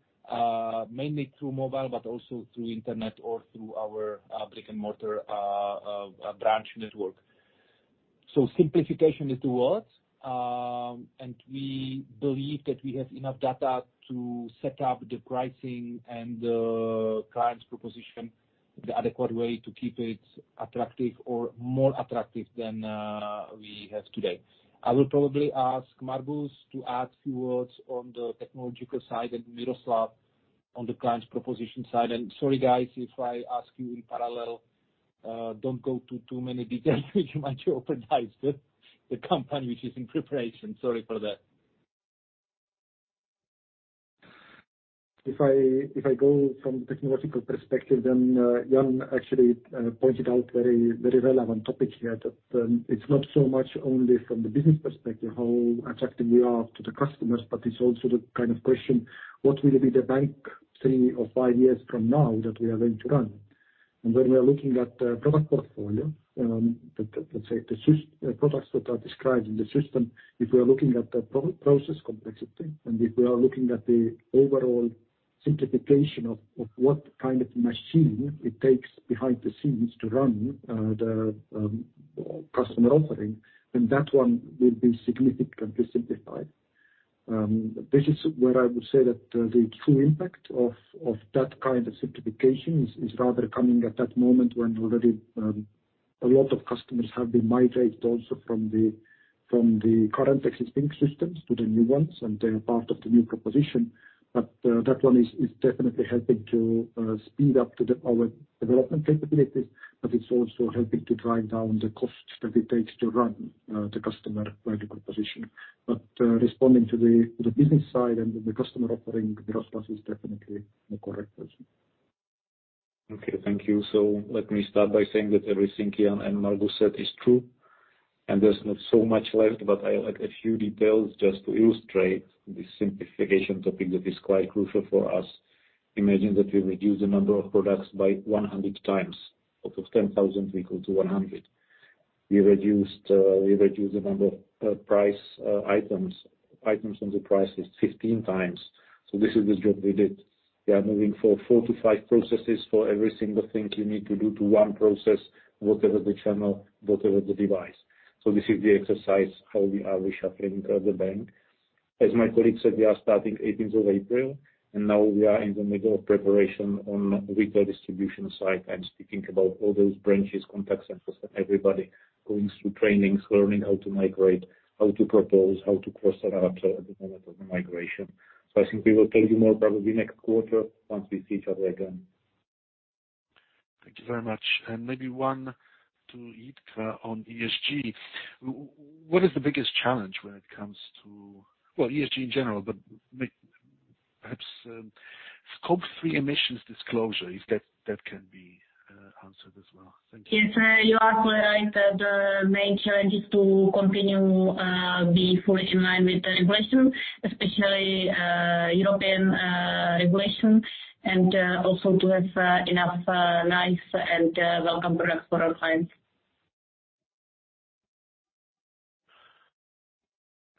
mainly through mobile, but also through internet or through our brick-and-mortar branch network. Simplification is the word. We believe that we have enough data to set up the pricing and the client's proposition, the adequate way to keep it attractive or more attractive than we have today. I will probably ask Margus to add few words on the technological side and Miroslav on the client's proposition side. Sorry, guys, if I ask you in parallel, don't go to too many details. You might jeopardize the company, which is in preparation. Sorry for that. If I go from the technological perspective, Jan actually pointed out very, very relevant topic here, that it's not so much only from the business perspective, how attractive we are to the customers, but it's also the kind of question, what will be the bank three or five years from now that we are going to run? When we are looking at the product portfolio, the products that are described in the system, if we are looking at the process complexity, and if we are looking at the overall simplification of what kind of machine it takes behind the scenes to run the customer offering, then that one will be significantly simplified. This is where I would say that the true impact of that kind of simplification is rather coming at that moment when already a lot of customers have been migrated also from the, from the current existing systems to the new ones, and they're part of the new proposition. That one is definitely helping to speed up our development capabilities, but it's also helping to drive down the costs that it takes to run the customer value proposition. Responding to the business side and the customer offering, Miroslav is definitely the correct person. Okay. Thank you. Let me start by saying that everything Jan and Margus said is true, and there's not so much left, but I'll add a few details just to illustrate the simplification topic that is quite crucial for us. Imagine that we reduce the number of products by 100 times. Out of 10,000, we go to 100. We reduced the number of price items on the prices 15 times. This is the job we did. We are moving four to five processes for every single thing you need to do to one process, whatever the channel, whatever the device. This is the exercise, how we are reshuffling the bank. As my colleague said, we are starting 18th of April, and now we are in the middle of preparation on retail distribution side. I'm speaking about all those branches, contact centers, everybody going through trainings, learning how to migrate, how to propose, how to cross-sell after at the moment of the migration. I think we will tell you more probably next quarter once we see each other again. Thank you very much. Maybe one to Jitka on ESG. What is the biggest challenge when it comes to, well, ESG in general, but perhaps Scope 3 emissions disclosure, if that can be answered as well. Thank you. Yes. You are absolutely right that the main challenge is to continue, be fully in line with the regulation, especially European regulation, and also to have enough nice and welcome products for our clients.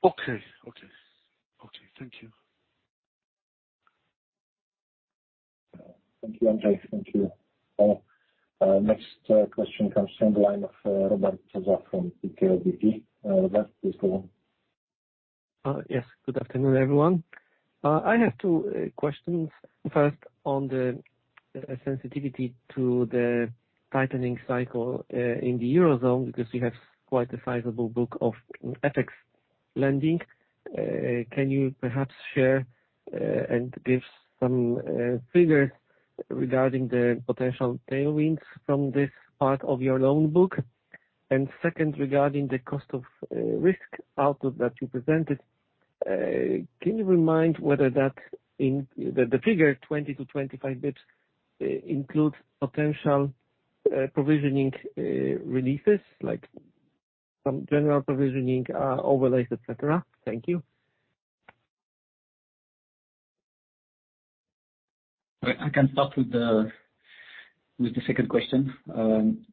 Okay. Okay. Okay. Thank you. Thank you, Andre. Thank you, all. Next question comes from the line of Robert Kaczmar from PKO BP. Robert, please go on. Yes. Good afternoon, everyone. I have two questions. First, on the sensitivity to the tightening cycle, in the Eurozone, because you have quite a sizable book of FX lending. Can you perhaps share, and give some figures regarding the potential tailwinds from this part of your loan book? Second, regarding the cost of risk output that you presented, can you remind whether that the figure 20 to 25 basis points includes potential provisioning releases, like some general provisioning overlays, et cetera? Thank you. I can start with the second question.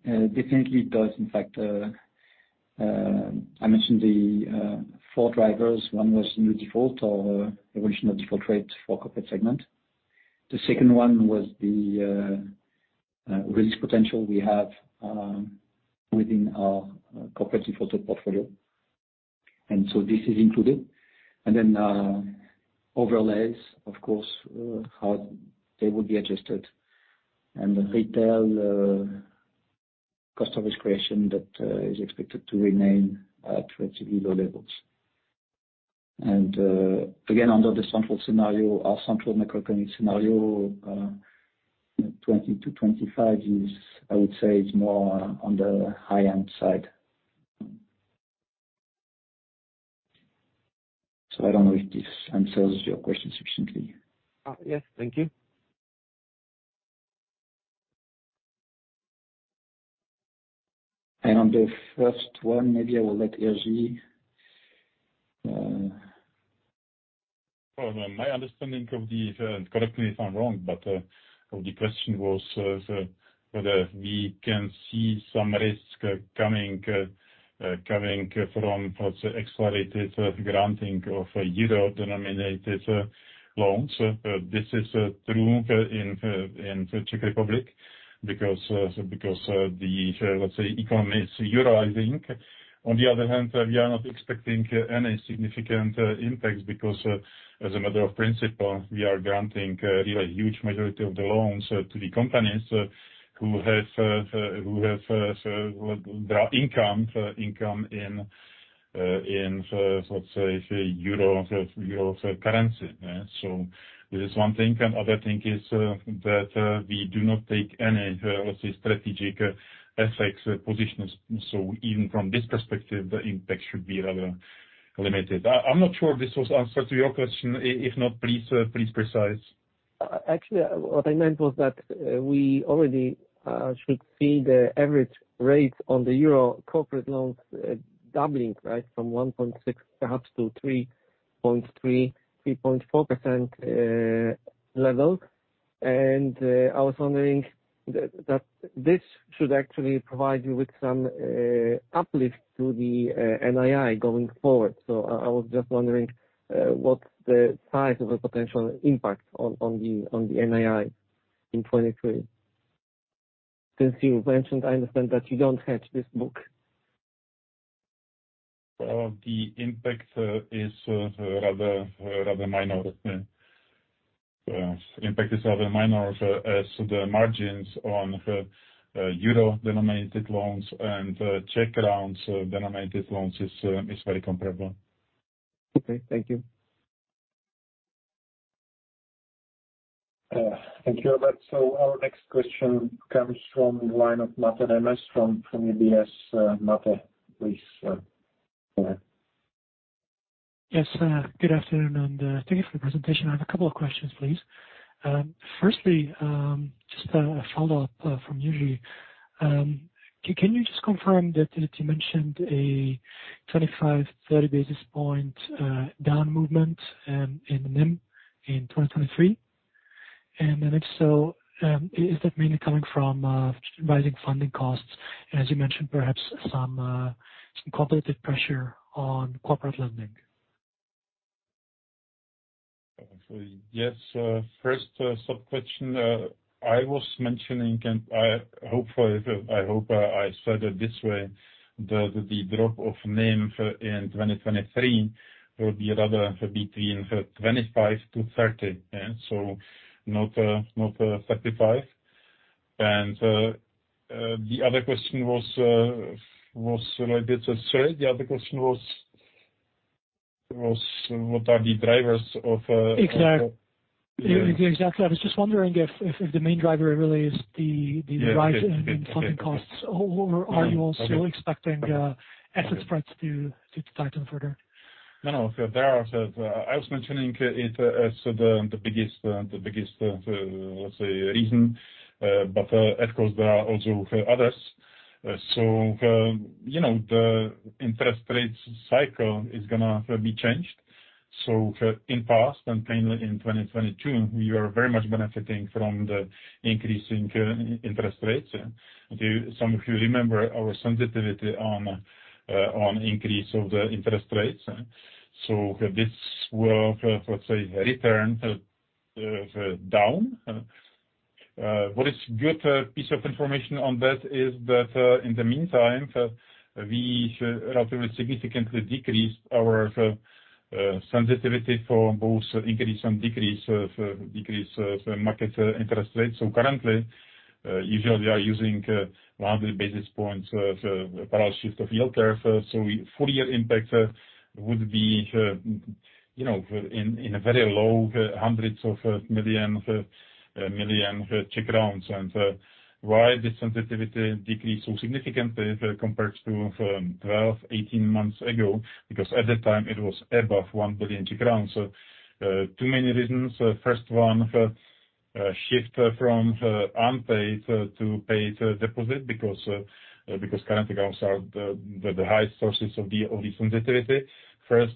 Definitely it does. In fact, I mentioned the four drivers. One was new default or original default rate for corporate segment. The second one was the release potential we have within our corporate default portfolio. This is included. Overlays, of course, how they will be adjusted. The retail cost of risk creation that is expected to remain at relatively low levels. Again, under the central scenario, our central macroeconomic scenario, 20 to 25 is I would say is more on the high-end side. I don't know if this answers your question sufficiently. Yes. Thank you. On the first one, maybe I will let Jiří. My understanding of the, correct me if I'm wrong, but of the question was whether we can see some risk coming from accelerated granting of euro-denominated loans. This is true in the Czech Republic because the, let's say, economy is euroizing. On the other hand, we are not expecting any significant impacts because, as a matter of principle, we are granting really huge majority of the loans to the companies who have their income in, let's say, euro currency. This is one thing. Other thing is that we do not take any, let's say, strategic FX positions. Even from this perspective, the impact should be rather limited. I'm not sure if this was answer to your question. If not, please precise. Actually, what I meant was that we already should see the average rates on the EUR corporate loans doubling, right, from 1.6 perhaps to 3.3.4% level. I was wondering that this should actually provide you with some uplift to the NII going forward. I was just wondering what's the size of a potential impact on the NII in 23. Since you mentioned, I understand that you don't hedge this book. Well, the impact is rather minor. Impact is rather minor as the margins on euro-denominated loans and Czech crowns-denominated loans is very comparable. Okay, thank you. Thank you. our next question comes from the line of Mate Nemes from UBS. Mate, please, go ahead. Yes. Good afternoon, and thank you for the presentation. I have a couple of questions, please. Firstly, just a follow-up from Jiří. Can you just confirm that you mentioned a 25 to 30 basis point down movement in NIM in 2023? If so, is that mainly coming from rising funding costs, as you mentioned, perhaps some competitive pressure on corporate lending? Yes. first sub-question, I was mentioning, and I hopefully, I hope I said it this way, the drop of NIM in 2023 will be rather between 25% to 30%. Not 35%. The other question was what are the drivers of. Exactly. I was just wondering if the main driver really is the rise in funding costs. Yes. Okay. Are you also expecting, asset spreads to tighten further? No, no. There are, I was mentioning it as the biggest, let's say, reason. Of course, there are also others. You know, the interest rates cycle is gonna be changed. In past, and mainly in 2022, we were very much benefiting from the increase in interest rates. Do some of you remember our sensitivity on increase of the interest rates? This will, let's say, return down. What is good piece of information on that is that in the meantime, we relatively significantly decreased our sensitivity for both increase and decrease of market interest rates. Currently, usually we are using 100 basis points of parallel shift of yield curve. Full year impact would be, you know, in a very low hundreds of million CZK. Why this sensitivity decreased so significantly compared to 12, 18 months ago, because at that time it was above 1 billion. Two main reasons. First one, shift from unpaid to paid deposit because current accounts are the highest sources of the sensitivity first.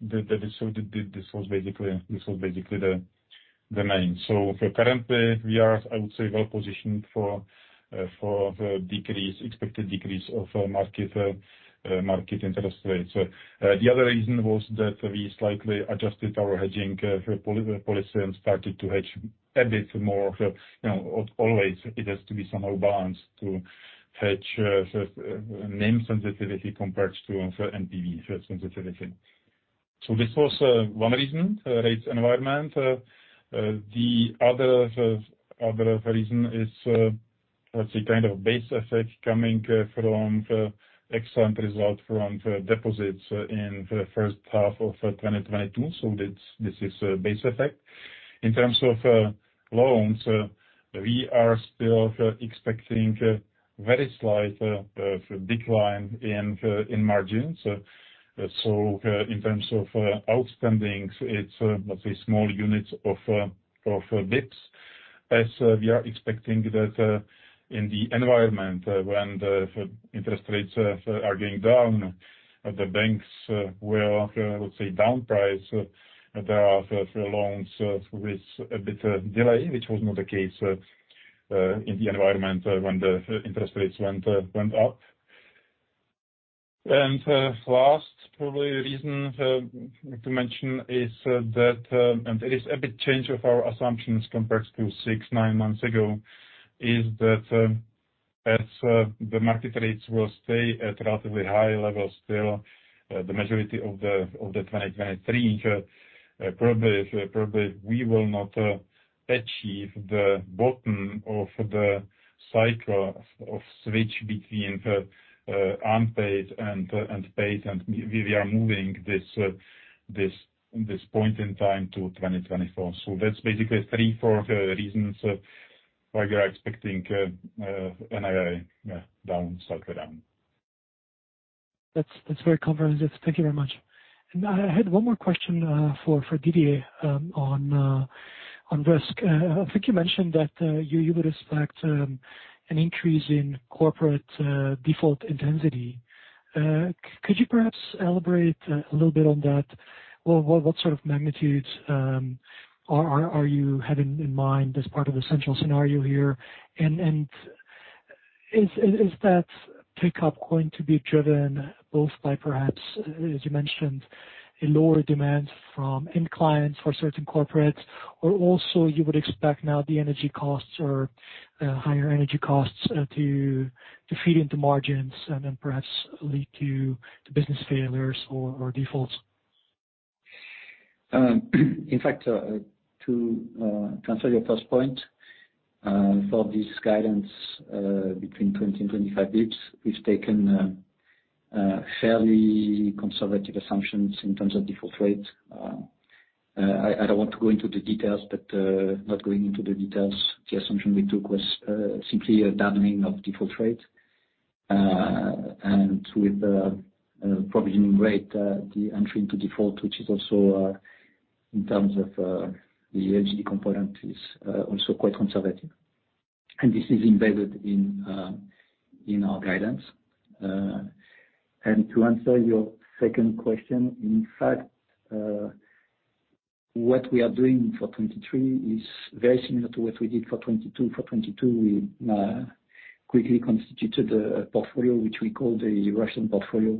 This was basically the main. Currently we are, I would say, well-positioned for the decrease, expected decrease of market interest rates. The other reason was that we slightly adjusted our hedging policy and started to hedge a bit more. You know, always it has to be somehow balanced to hedge name sensitivity compared to NPV sensitivity. This was one reason, rates environment. The other reason is, let's say, kind of base effect coming from excellent result from deposits in the first half of 2022. This is base effect. In terms of loans, we are still expecting very slight decline in margins. In terms of outstandings, it's, let's say, small units of basis points, as we are expecting that in the environment when the interest rates are going down, the banks will, let's say, downprice their loans with a bit delay, which was not the case in the environment when the interest rates went up. Last probably reason to mention is that, and it is a big change of our assumptions compared to six, nine months ago, as the market rates will stay at relatively high levels still, the majority of the 2023, probably we will not achieve the bottom of the cycle of switch between unpaid and paid. We are moving this point in time to 2024. That's basically three, four reasons why we are expecting NII down, slightly down. That's very comprehensive. Thank you very much. I had one more question for Didier on risk. I think you mentioned that you would expect an increase in corporate default intensity. Could you perhaps elaborate a little bit on that? What sort of magnitudes are you having in mind as part of the central scenario here? Is that pickup going to be driven both by perhaps, as you mentioned, a lower demand from end clients for certain corporates? Or also you would expect now the energy costs or higher energy costs to feed into margins and then perhaps lead to business failures or defaults? In fact, to answer your first point, for this guidance, between 20 and 25 basis points, we've taken fairly conservative assumptions in terms of default rates. I don't want to go into the details, but not going into the details, the assumption we took was simply a doubling of default rates, and with a provisioning rate, the entry into default, which is also in terms of the NMD component, is also quite conservative. This is embedded in our guidance. To answer your second question, in fact, what we are doing for 2023 is very similar to what we did for 2022. For 22, we quickly constituted a portfolio which we call the Russian portfolio,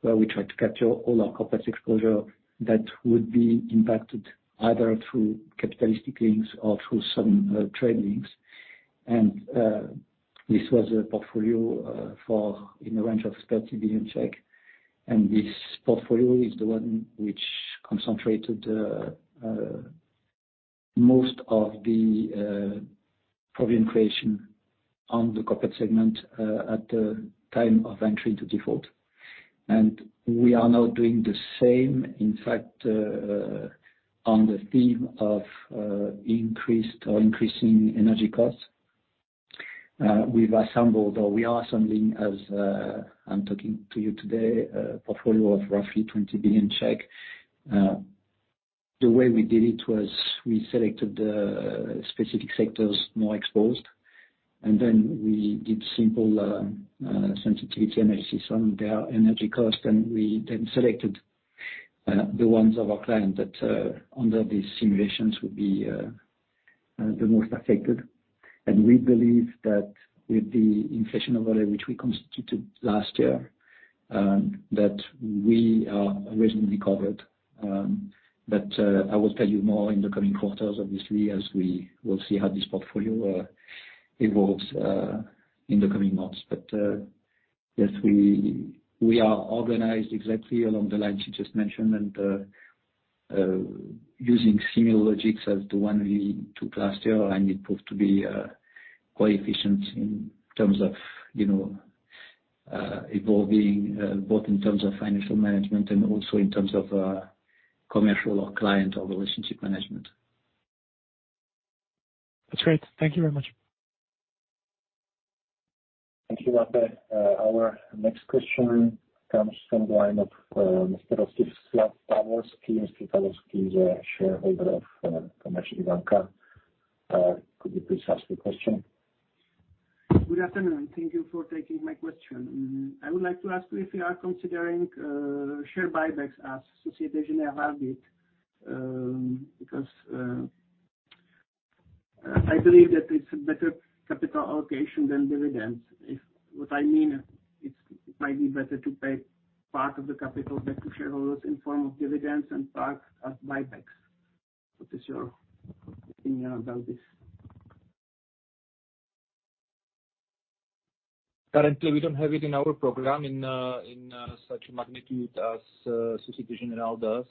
where we tried to capture all our corporate exposure that would be impacted either through capitalistic links or through some tradings. This was a portfolio for in the range of 30 billion. This portfolio is the one which concentrated most of the problem creation on the corporate segment at the time of entry into default. We are now doing the same, in fact, on the theme of increased or increasing energy costs. We've assembled or we are assembling as I'm talking to you today, a portfolio of roughly 20 billion. The way we did it was we selected the specific sectors more exposed, and then we did simple sensitivity analysis on their energy cost, and we then selected the ones of our client that under these simulations would be the most affected. We believe that with the inflation overlay which we constituted last year, that we are reasonably covered. I will tell you more in the coming quarters, obviously, as we will see how this portfolio evolves in the coming months. Yes, we are organized exactly along the lines you just mentioned, and using similar logics as the one we took last year, and it proved to be quite efficient in terms of, you know, evolving both in terms of financial management and also in terms of commercial or client or relationship management. That's great. Thank you very much. Thank you, Mate. Our next question comes from the line of Mr. Slav Pavelski. Mr. Pavelski is a shareholder of Komerční banka. Could you please ask the question? Good afternoon. Thank you for taking my question. I would like to ask you if you are considering share buybacks as Société Générale have it, because I believe that it's a better capital allocation than dividends. I mean, it's might be better to pay part of the capital back to shareholders in form of dividends and part as buybacks. What is your opinion about this? Currently, we don't have it in our program in, such magnitude as, Société Générale does.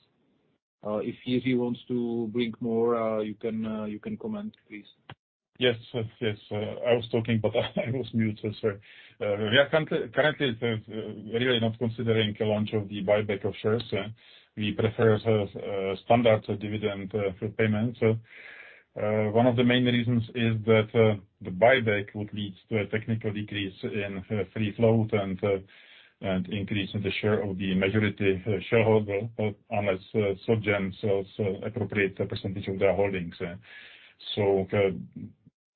If Jiří wants to bring more, you can, you can comment, please. Yes, yes. I was talking, I was muted. Sorry. We are currently really not considering a launch of the buyback of shares. We prefer standard dividend for payments. One of the main reasons is that the buyback would lead to a technical decrease in free float and an increase in the share of the majority shareholder unless Soc Gen sells appropriate percentage of their holdings.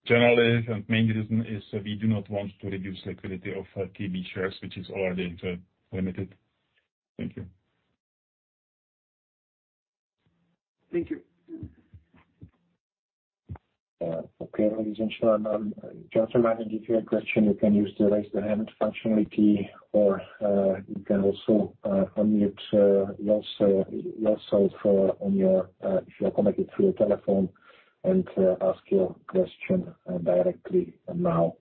Generally, the main reason is we do not want to reduce liquidity of KB shares, which is already limited. Thank you. Thank you. Okay. Ladies and gentlemen, just a reminder, if you have a question you can use the Raise the Hand functionality, or you can also unmute yourself on your if you are connected through a telephone, and ask your question directly now.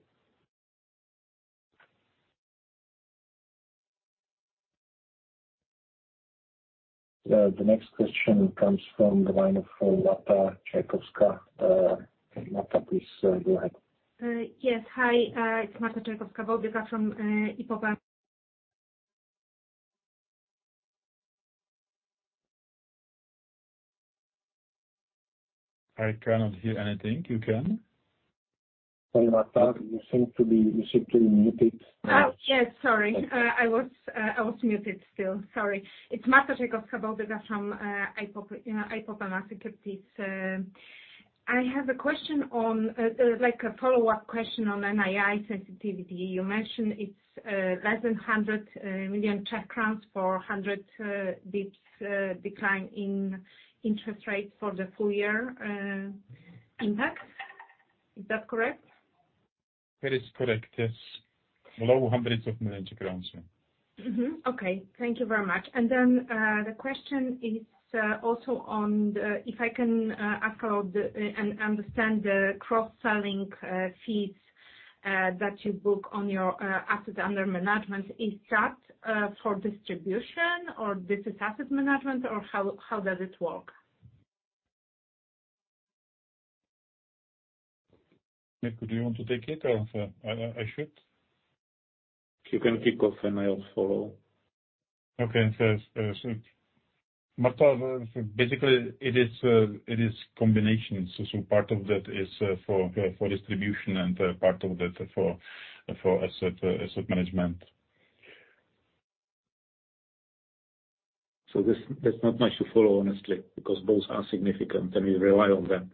The next question comes from the line of Marta Czajkowska. Marta please go ahead. Yes. Hi, it's Marta Czajkowska-Bałdyga from, IPPO-. I cannot hear anything. You can? Marta, you seem to be muted. Oh, yes. Sorry. I was muted still. Sorry. It's Marta Czajkowska-Bałdyga from, you know, IPOPEMA Securities S.A.. I have a question on like a follow-up question on NII sensitivity. You mentioned it's less than 100 million for 100 basis points decline in interest rates for the full year impact. Is that correct? That is correct, yes. Below hundreds of million CZK, yeah. Okay. Thank you very much. The question is, also if I can ask about the, and understand the cross-selling fees that you book on your assets under management. Is that for distribution or this is asset management or how does it work? Jiří, do you want to take it or, I should? You can kick off and I'll follow. Okay. Marta, basically it is combination. Part of that is for distribution and a part of that for asset management. There's not much to follow, honestly, because both are significant and we rely on them.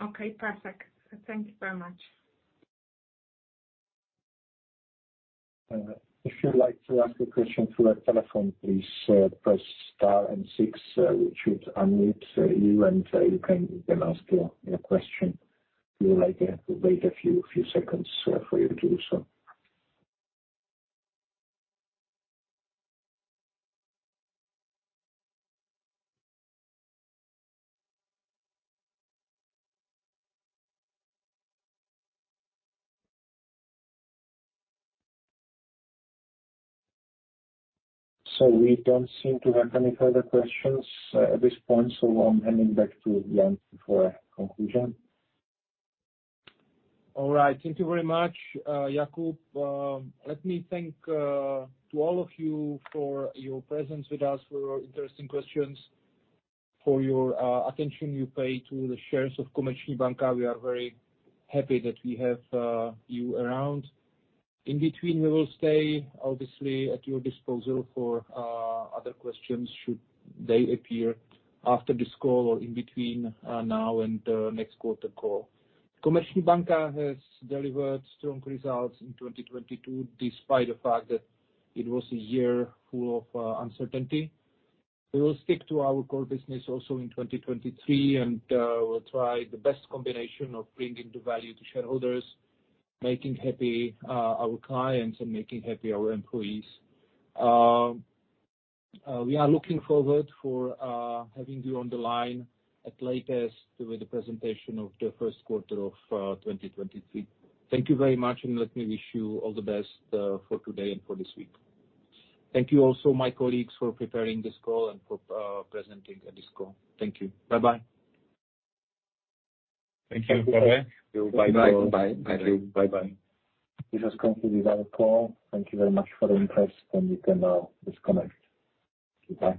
Okay, perfect. Thank you so much. If you'd like to ask a question through a telephone, please press star and six. Which should unmute you, and you can ask your question. We would like to wait a few seconds for you to do so. We don't seem to have any further questions at this point, so I'm handing back to Jan for a conclusion. Right. Thank you very much, Jakub. Let me thank to all of you for your presence with us, for your interesting questions, for your attention you pay to the shares of Komerční banka. We are very happy that we have you around. Between, we will stay obviously at your disposal for other questions should they appear after this call or between now and next quarter call. Komerční banka has delivered strong results in 2022, despite the fact that it was a year full of uncertainty. We will stick to our core business also in 2023, we'll try the best combination of bringing the value to shareholders, making happy our clients, and making happy our employees. We are looking forward for having you on the line at latest with the presentation of the Q1 of 2023. Thank you very much. Let me wish you all the best for today and for this week. Thank you also my colleagues for preparing this call and for presenting at this call. Thank you. Bye-bye. Thank you. Bye. Bye-bye. Bye. Bye-bye. This has concluded our call. Thank you very much for the interest, and you can now disconnect. Goodbye.